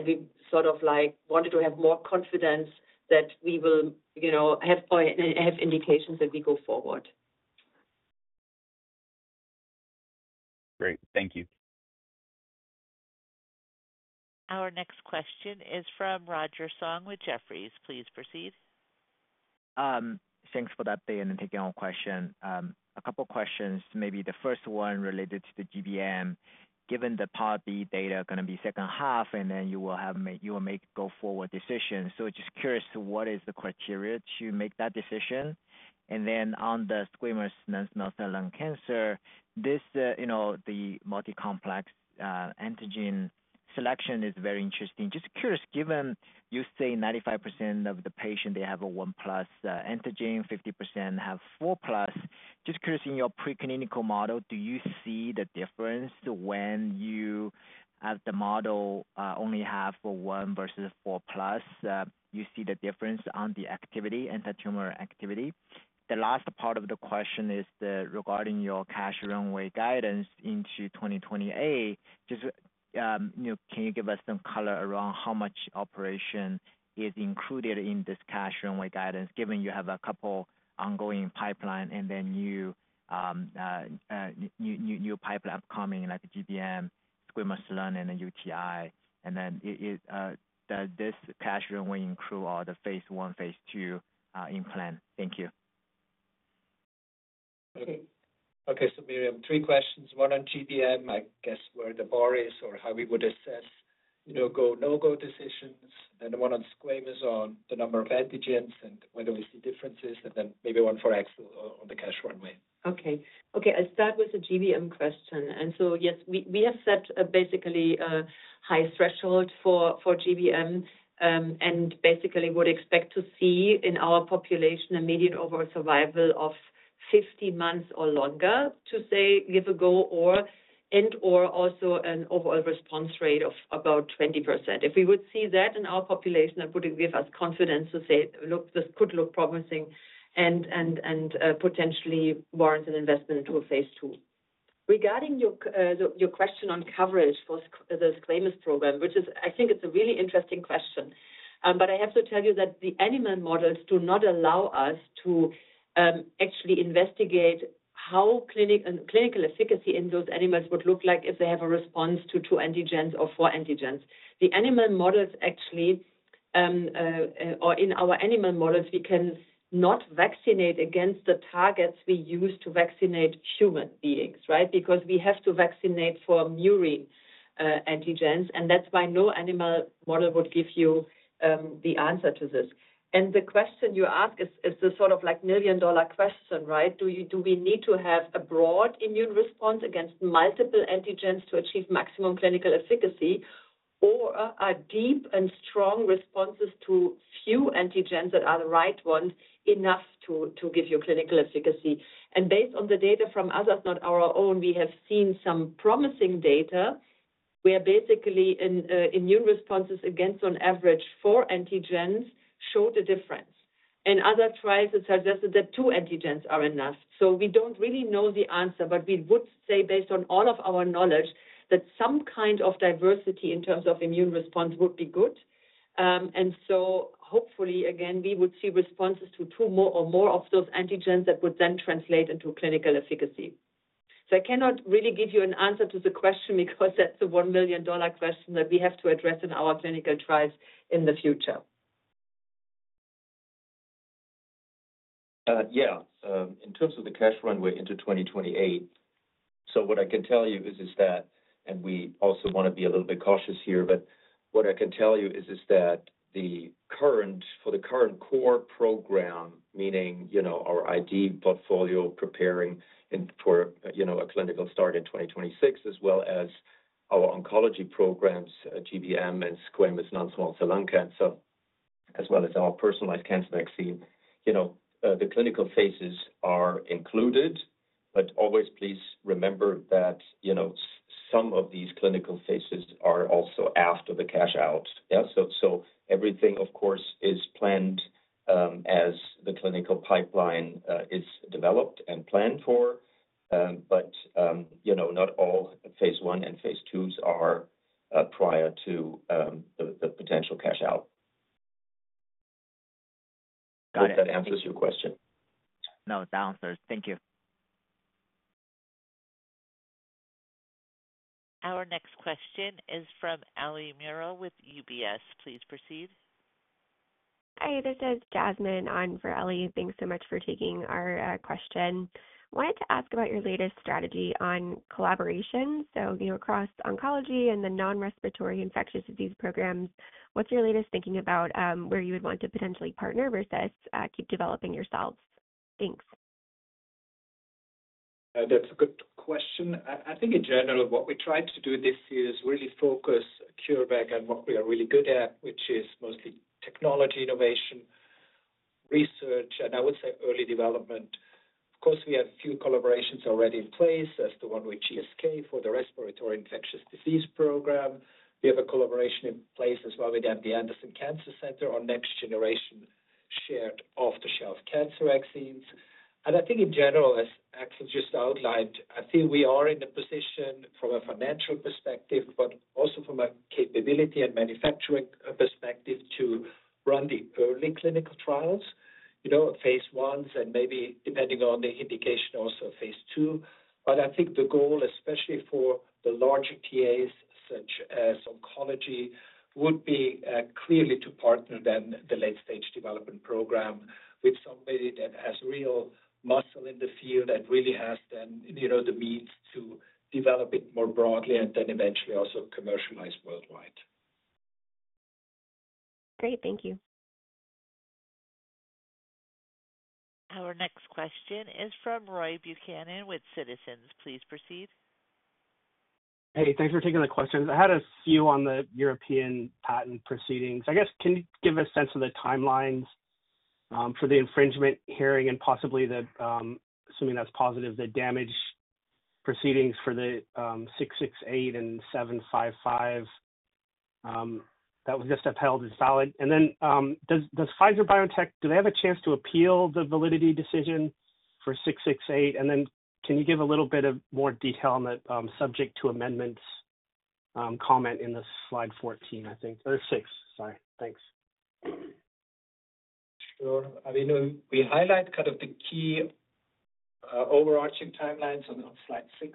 we sort of wanted to have more confidence that we will have indications that we go forward. Great. Thank you.
Our next question is from Roger Song with Jefferies. Please proceed.
Thanks for that, Ben, and taking our question. A couple of questions. Maybe the first one related to the GBM, given the Part B data, going to be second half, and then you will make go forward decisions. Just curious, what is the criteria to make that decision? On the squamous non-small cell lung cancer, the multi-complex antigen selection is very interesting. Just curious, given you say 95% of the patient, they have a one plus antigen, 50% have four plus, just curious, in your preclinical model, do you see the difference when you have the model only have for one versus four plus? You see the difference on the activity, anti-tumor activity? The last part of the question is regarding your cash runway guidance into 2028. Just can you give us some color around how much operation is included in this cash runway guidance, given you have a couple ongoing pipeline and then new pipeline upcoming, like GBM, squamous lung, and then UTI? Does this cash runway include all the phase I, phase II in plan? Thank you.
Okay. Okay. So, Myriam, three questions. One on GBM, I guess, where the bar is or how we would assess no-go decisions, and one on squamous on the number of antigens and whether we see differences, and then maybe one for Axel on the cash runway.
Okay. I'll start with the GBM question. Yes, we have set basically a high threshold for GBM and basically would expect to see in our population a median overall survival of 50 months or longer to say give a go and/or also an overall response rate of about 20%. If we would see that in our population, it would give us confidence to say, "Look, this could look promising and potentially warrant an investment into phase II." Regarding your question on coverage for the squamous program, which I think is a really interesting question, I have to tell you that the animal models do not allow us to actually investigate how clinical efficacy in those animals would look like if they have a response to two antigens or four antigens. The animal models actually, or in our animal models, we cannot vaccinate against the targets we use to vaccinate human beings, right, because we have to vaccinate for murine antigens, and that is why no animal model would give you the answer to this. The question you ask is the sort of million-dollar question, right? Do we need to have a broad immune response against multiple antigens to achieve maximum clinical efficacy, or are deep and strong responses to few antigens that are the right ones enough to give you clinical efficacy? Based on the data from others, not our own, we have seen some promising data where basically immune responses against, on average, four antigens showed a difference. Other trials suggested that two antigens are enough. We do not really know the answer, but we would say, based on all of our knowledge, that some kind of diversity in terms of immune response would be good. Hopefully, again, we would see responses to two or more of those antigens that would then translate into clinical efficacy. I cannot really give you an answer to the question because that's a one million- dollar question that we have to address in our clinical trials in the future.
Yeah. In terms of the cash runway into 2028, what I can tell you is that, and we also want to be a little bit cautious here, what I can tell you is that for the current core program, meaning our ID portfolio preparing for a clinical start in 2026, as well as our oncology programs, GBM and squamous non-small cell lung cancer, as well as our personalized cancer vaccine, the clinical phases are included. Please remember that some of these clinical phases are also after the cash out. Everything, of course, is planned as the clinical pipeline is developed and planned for, but not all phase I and phase II are prior to the potential cash out. I hope that answers your question.
No, it answers. Thank you.
Our next question is from Ali Muro with UBS. Please proceed. Hi. This is Jasmine on for Ali. Thanks so much for taking our question. Wanted to ask about your latest strategy on collaboration. Across oncology and the non-respiratory infectious disease programs, what's your latest thinking about where you would want to potentially partner versus keep developing yourselves? Thanks.
That's a good question. I think, in general, what we try to do this year is really focus CureVac on what we are really good at, which is mostly technology innovation, research, and I would say early development. Of course, we have a few collaborations already in place, as the one with GSK for the respiratory infectious disease program. We have a collaboration in place as well with MD Anderson Cancer Center on next-generation shared off-the-shelf cancer vaccines. I think, in general, as Axel just outlined, we are in a position from a financial perspective, but also from a capability and manufacturing perspective to run the early clinical trials, phase II, and maybe depending on the indication also phase I. I think the goal, especially for the larger PAs such as oncology, would be clearly to partner then the late-stage development program with somebody that has real muscle in the field and really has then the means to develop it more broadly and then eventually also commercialize worldwide. Great. Thank you.
Our next question is from Roy Buchanan with Citizens. Please proceed.
Hey, thanks for taking the question. I had a few on the European patent proceedings. I guess, can you give a sense of the timelines for the infringement hearing and possibly, assuming that's positive, the damage proceedings for the 668 and 755 that was just upheld as valid? Does Pfizer-BioNTech, do they have a chance to appeal the validity decision for 668? Can you give a little bit more detail on the subject to amendments comment in the slide 14, I think, or 6? Sorry. Thanks.
Sure. I mean, we highlight kind of the key overarching timelines on slide 6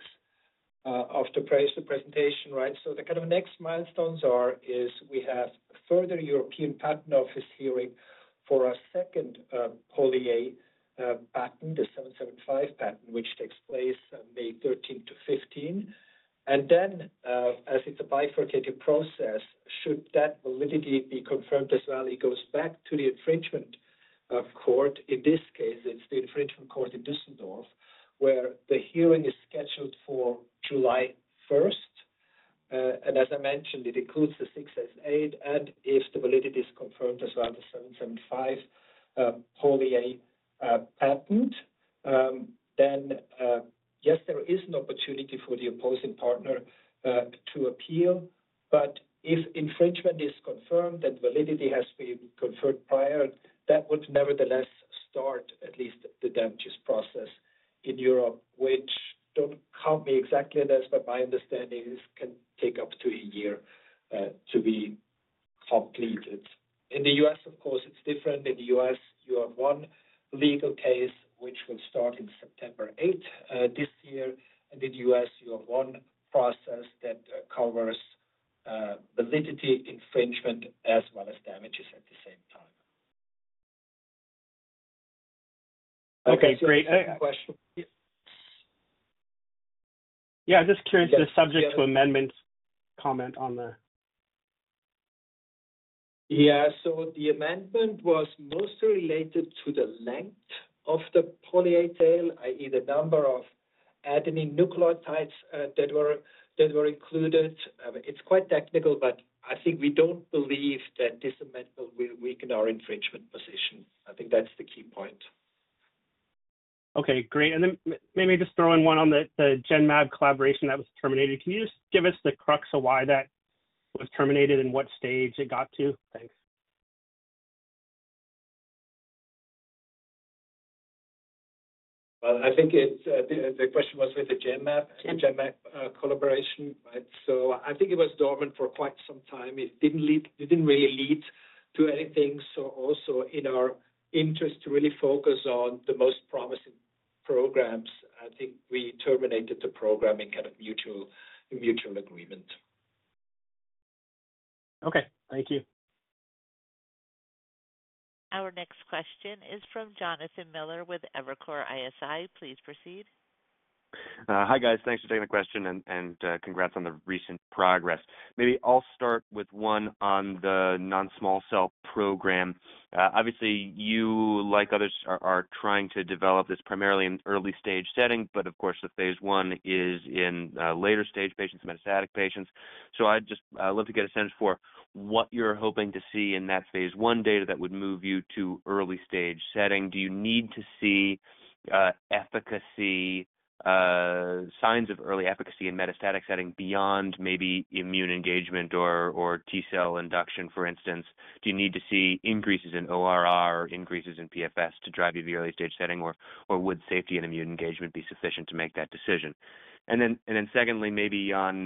of the presentation, right? The kind of next milestones are is we have further European Patent Office hearing for a second poly-A patent, the 775 patent, which takes place May 13th to 15th. As it's a bifurcated process, should that validity be confirmed as well, it goes back to the infringement court. In this case, it's the infringement court in Düsseldorf where the hearing is scheduled for July 1st. As I mentioned, it includes the 668. If the validity is confirmed as well as the 775 poly-A patent, then yes, there is an opportunity for the opposing partner to appeal. If infringement is confirmed and validity has been confirmed prior, that would nevertheless start at least the damages process in Europe, which, don't count me exactly on this, but my understanding is can take up to a year to be completed. In the U.S., of course, it's different. In the U.S., you have one legal case, which will start on September 8 this year. In the U.S., you have one process that covers validity infringement as well as damages at the same time.
Okay. Great. Yeah. I'm just curious, the subject to amendments comment on the.
Yeah. The amendment was mostly related to the length of the poly-A tail, i.e., the number of adenine nucleotides that were included. It's quite technical, but I think we don't believe that this amendment will weaken our infringement position. I think that's the key point.
Okay. Great. Maybe just throw in one on the Genmab collaboration that was terminated. Can you just give us the crux of why that was terminated and what stage it got to? Thanks.
I think the question was with the Genmab collaboration, right? I think it was dormant for quite some time. It didn't really lead to anything. Also in our interest to really focus on the most promising programs, I think we terminated the program in kind of mutual agreement.
Okay. Thank you.
Our next question is from Jonathan Miller with Evercore ISI. Please proceed.
Hi guys. Thanks for taking the question and congrats on the recent progress. Maybe I'll start with one on the non-small cell program. Obviously, you, like others, are trying to develop this primarily in early-stage setting, but of course, the phase I is in later-stage patients, metastatic patients. I'd just love to get a sense for what you're hoping to see in that phase I data that would move you to early-stage setting. Do you need to see signs of early efficacy in metastatic setting beyond maybe immune engagement or T-cell induction, for instance? Do you need to see increases in ORR or increases in PFS to drive you to the early-stage setting, or would safety and immune engagement be sufficient to make that decision? Secondly, maybe on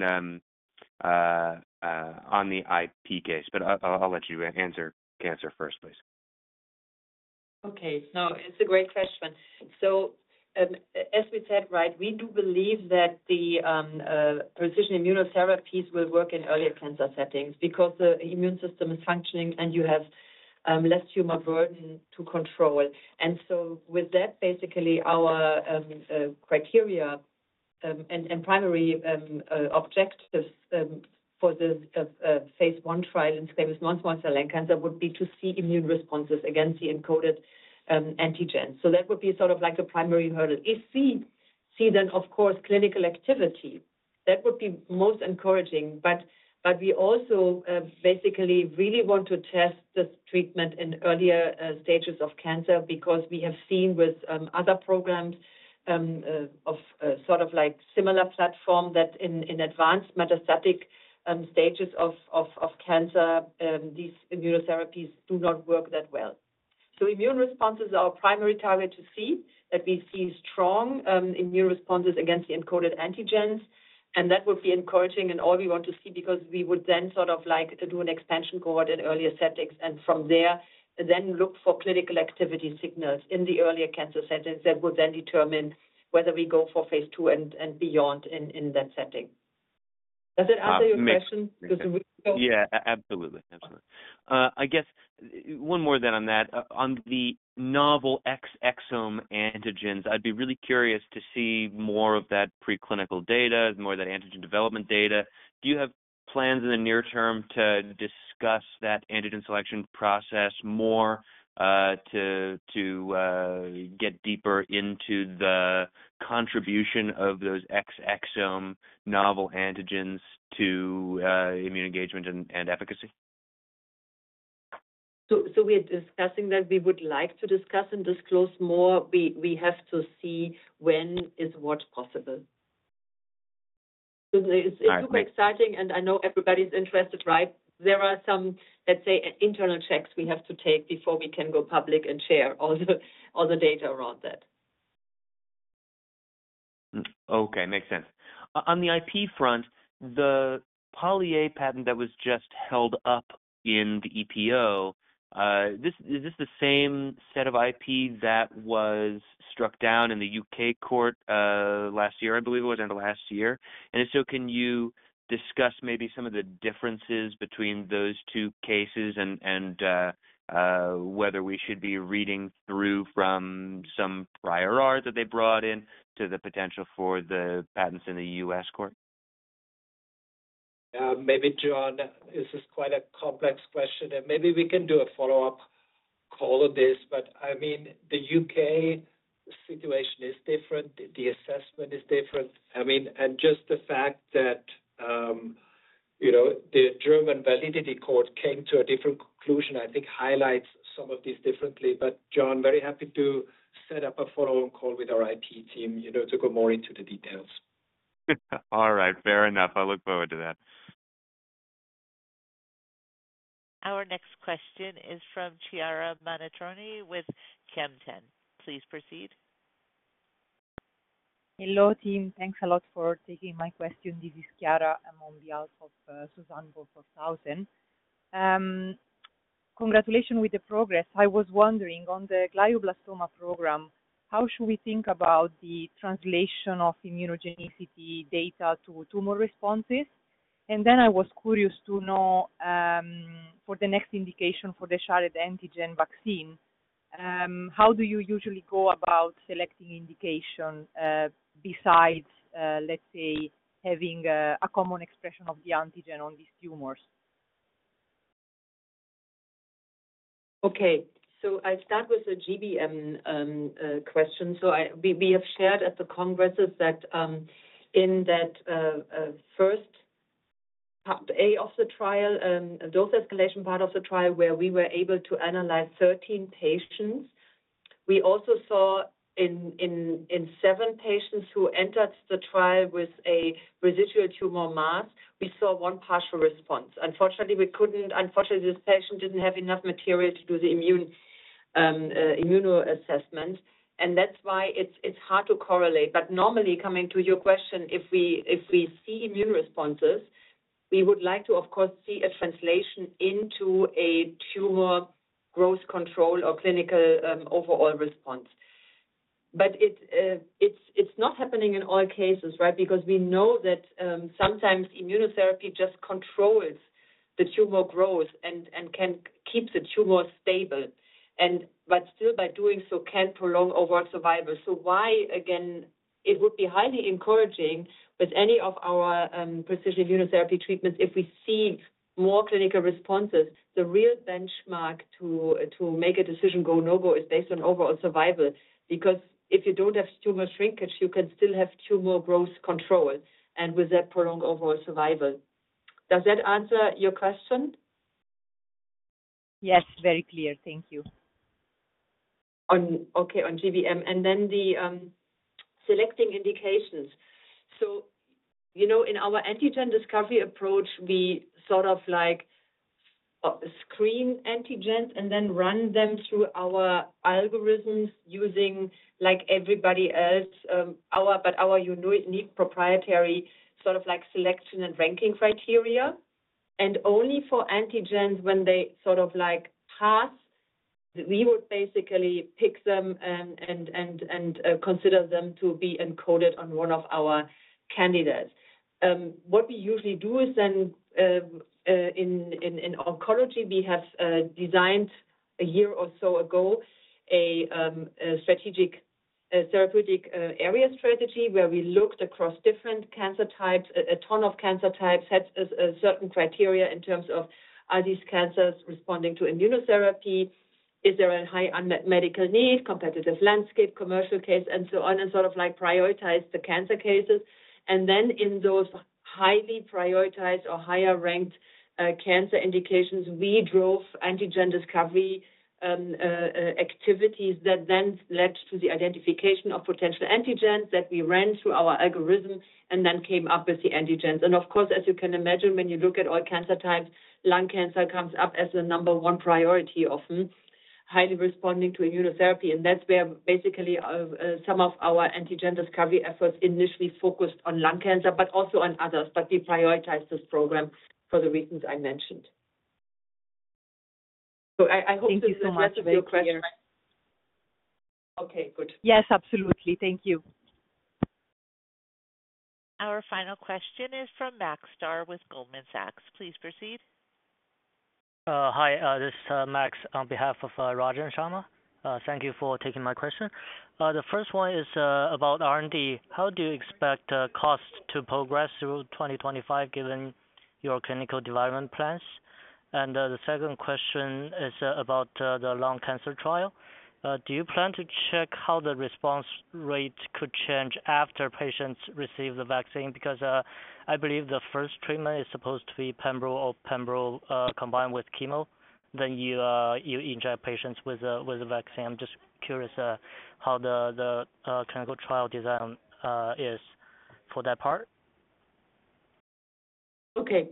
the IP case, but I'll let you answer cancer first, please.
Okay. No, it's a great question. As we said, right, we do believe that the precision immunotherapies will work in earlier cancer settings because the immune system is functioning and you have less tumor burden to control. With that, basically, our criteria and primary objectives for the phase I trial in squamous non-small cell lung cancer would be to see immune responses against the encoded antigens. That would be sort of like a primary hurdle. If we see then, of course, clinical activity, that would be most encouraging. We also basically really want to test this treatment in earlier stages of cancer because we have seen with other programs of sort of like similar platform that in advanced metastatic stages of cancer, these immunotherapies do not work that well. Immune responses are our primary target to see that we see strong immune responses against the encoded antigens. That would be encouraging, and all we want to see because we would then sort of like to do an expansion cohort in earlier settings, and from there, then look for clinical activity signals in the earlier cancer settings that would then determine whether we go for phase II and beyond in that setting. Does that answer your question?
Yeah. Absolutely. Absolutely. I guess one more then on that. On the novel X exome antigens, I'd be really curious to see more of that preclinical data, more of that antigen development data. Do you have plans in the near term to discuss that antigen selection process more to get deeper into the contribution of those X exome novel antigens to immune engagement and efficacy?
We are discussing that we would like to discuss and disclose more. We have to see when is what possible. It's super exciting, and I know everybody's interested, right? There are some, let's say, internal checks we have to take before we can go public and share all the data around that.
Okay. Makes sense. On the IP front, the poly-A patent that was just held up in the EPO, is this the same set of IP that was struck down in the U.K. court last year? I believe it was in the last year. If so, can you discuss maybe some of the differences between those two cases and whether we should be reading through from some prior art that they brought in to the potential for the patents in the U.S. court?
Maybe, John, this is quite a complex question. Maybe we can do a follow-up call on this. I mean, the U.K. situation is different. The assessment is different. I mean, just the fact that the German validity court came to a different conclusion, I think, highlights some of these differently. John, very happy to set up a follow-on call with our IP team to go more into the details.
All right. Fair enough. I look forward to that.
Our next question is from Chiara Montironi with Kempen. Please proceed.
Hello team. Thanks a lot for taking my question. This is Chiara Amondial of Suzanne Vaux 4000. Congratulations with the progress. I was wondering on the glioblastoma program, how should we think about the translation of immunogenicity data to tumor responses? I was curious to know for the next indication for the trial antigen vaccine, how do you usually go about selecting indication besides, let's say, having a common expression of the antigen on these tumors?
Okay. I'll start with a GBM question. We have shared at the congresses that in that first part A of the trial, dose escalation part of the trial where we were able to analyze 13 patients, we also saw in seven patients who entered the trial with a residual tumor mass, we saw one partial response. Unfortunately, this patient didn't have enough material to do the immunoassessment. That's why it's hard to correlate. Normally, coming to your question, if we see immune responses, we would like to, of course, see a translation into a tumor growth control or clinical overall response. It is not happening in all cases, right? We know that sometimes immunotherapy just controls the tumor growth and can keep the tumor stable, but still, by doing so, can prolong overall survival. Again, it would be highly encouraging with any of our precision immunotherapy treatments if we see more clinical responses. The real benchmark to make a decision go/no-go is based on overall survival because if you do not have tumor shrinkage, you can still have tumor growth control and with that prolonged overall survival. Does that answer your question?
Yes. Very clear. Thank you.
Okay. On GBM. And then the selecting indications. In our antigen discovery approach, we sort of screen antigens and then run them through our algorithms using, like everybody else, but our unique proprietary sort of selection and ranking criteria. Only for antigens when they sort of pass, we would basically pick them and consider them to be encoded on one of our candidates. What we usually do is then in oncology, we have designed a year or so ago a strategic therapeutic area strategy where we looked across different cancer types, a ton of cancer types, had certain criteria in terms of are these cancers responding to immunotherapy, is there a high medical need, competitive landscape, commercial case, and so on, and sort of prioritize the cancer cases. In those highly prioritized or higher-ranked cancer indications, we drove antigen discovery activities that then led to the identification of potential antigens that we ran through our algorithm and then came up with the antigens. Of course, as you can imagine, when you look at all cancer types, lung cancer comes up as the number one priority of highly responding to immunotherapy. That is where basically some of our antigen discovery efforts initially focused on lung cancer, but also on others. We prioritized this program for the reasons I mentioned. I hope this has answered your question. Okay. Good.
Yes, absolutely. Thank you.
Our final question is from Max Star with Goldman Sachs. Please proceed. Hi. This is Max on behalf of Roger and Sharma. Thank you for taking my question. The first one is about R&D. How do you expect cost to progress through 2025 given your clinical development plans? The second question is about the lung cancer trial. Do you plan to check how the response rate could change after patients receive the vaccine? Because I believe the first treatment is supposed to be pembrolizumab combined with chemo, then you inject patients with the vaccine. I'm just curious how the clinical trial design is for that part.
Okay.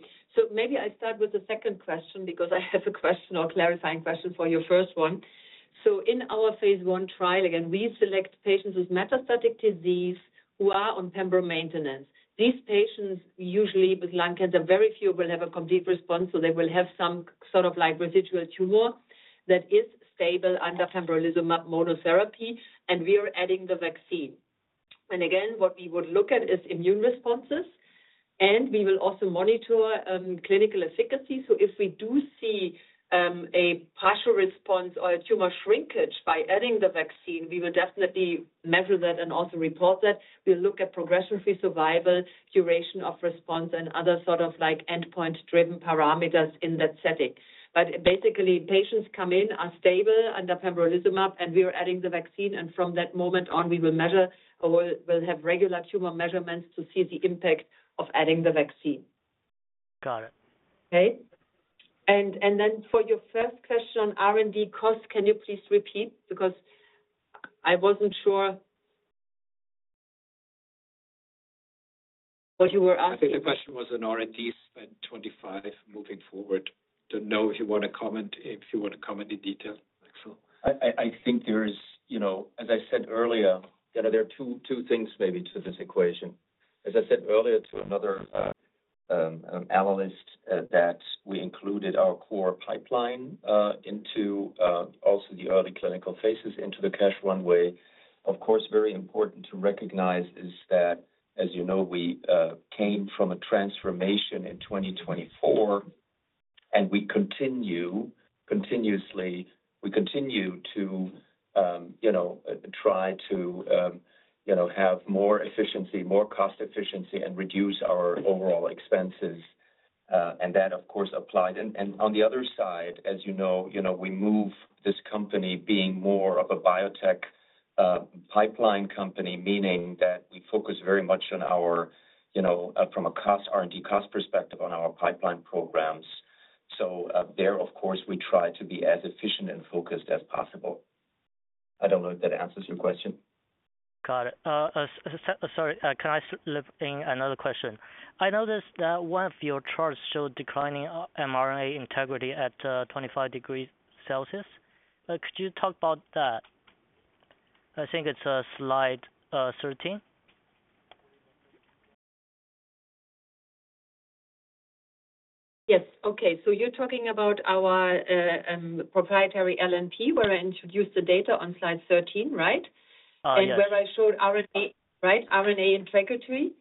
Maybe I start with the second question because I have a question or clarifying question for your first one. In our phase I trial, again, we select patients with metastatic disease who are on pembrolizumab maintenance. These patients, usually with lung cancer, very few will have a complete response, so they will have some sort of residual tumor that is stable under pembrolizumab monotherapy, and we are adding the vaccine. What we would look at is immune responses, and we will also monitor clinical efficacy. If we do see a partial response or a tumor shrinkage by adding the vaccine, we will definitely measure that and also report that. We'll look at progression-free survival, duration of response, and other sort of endpoint-driven parameters in that setting. Basically, patients come in, are stable under pembrolizumab, and we are adding the vaccine. From that moment on, we will measure or we'll have regular tumor measurements to see the impact of adding the vaccine. Got it. Okay. For your first question on R&D cost, can you please repeat? Because I wasn't sure what you were asking.
I think the question was on R&D spend 2025 moving forward. I don't know if you want to comment, if you want to comment in detail, Axel.
I think there is, as I said earlier, there are two things maybe to this equation. As I said earlier to another analyst that we included our core pipeline into also the early clinical phases into the cash runway. Of course, very important to recognize is that, as you know, we came from a transformation in 2024, and we continue continuously. We continue to try to have more efficiency, more cost efficiency, and reduce our overall expenses. That, of course, applied. On the other side, as you know, we move this company being more of a biotech pipeline company, meaning that we focus very much on our, from a R&D cost perspective, on our pipeline programs. There, of course, we try to be as efficient and focused as possible. I don't know if that answers your question. Got it. Sorry. Can I slip in another question? I noticed that one of your charts showed declining mRNA integrity at 25 degrees Celsius. Could you talk about that? I think it's slide 13.
Yes. Okay. So you're talking about our proprietary LNP where I introduced the data on slide 13, right? And where I showed RNA integrity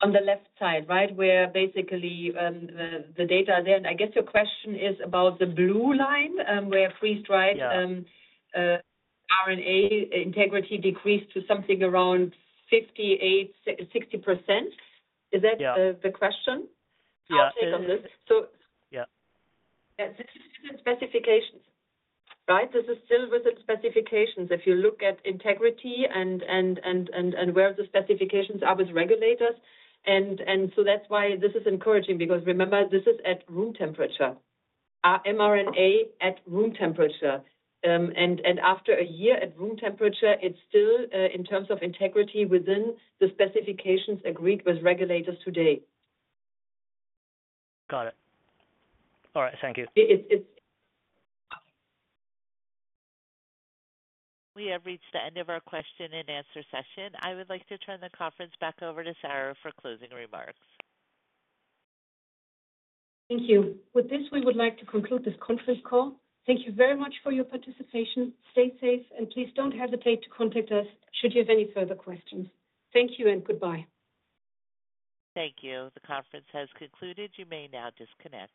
on the left side, right, where basically the data are there. I guess your question is about the blue line where freeze-dried RNA integrity decreased to something around 58%-60%. Is that the question? Yeah. I'll take on this. This is within specifications, right? This is still within specifications. If you look at integrity and where the specifications are with regulators. That's why this is encouraging because remember, this is at room temperature. Our mRNA at room temperature. After a year at room temperature, it is still in terms of integrity within the specifications agreed with regulators today. Got it. All right. Thank you.
We have reached the end of our question and answer session. I would like to turn the conference back over to Sarah for closing remarks.
Thank you. With this, we would like to conclude this conference call. Thank you very much for your participation. Stay safe, and please do not hesitate to contact us should you have any further questions. Thank you and goodbye.
Thank you. The conference has concluded. You may now disconnect.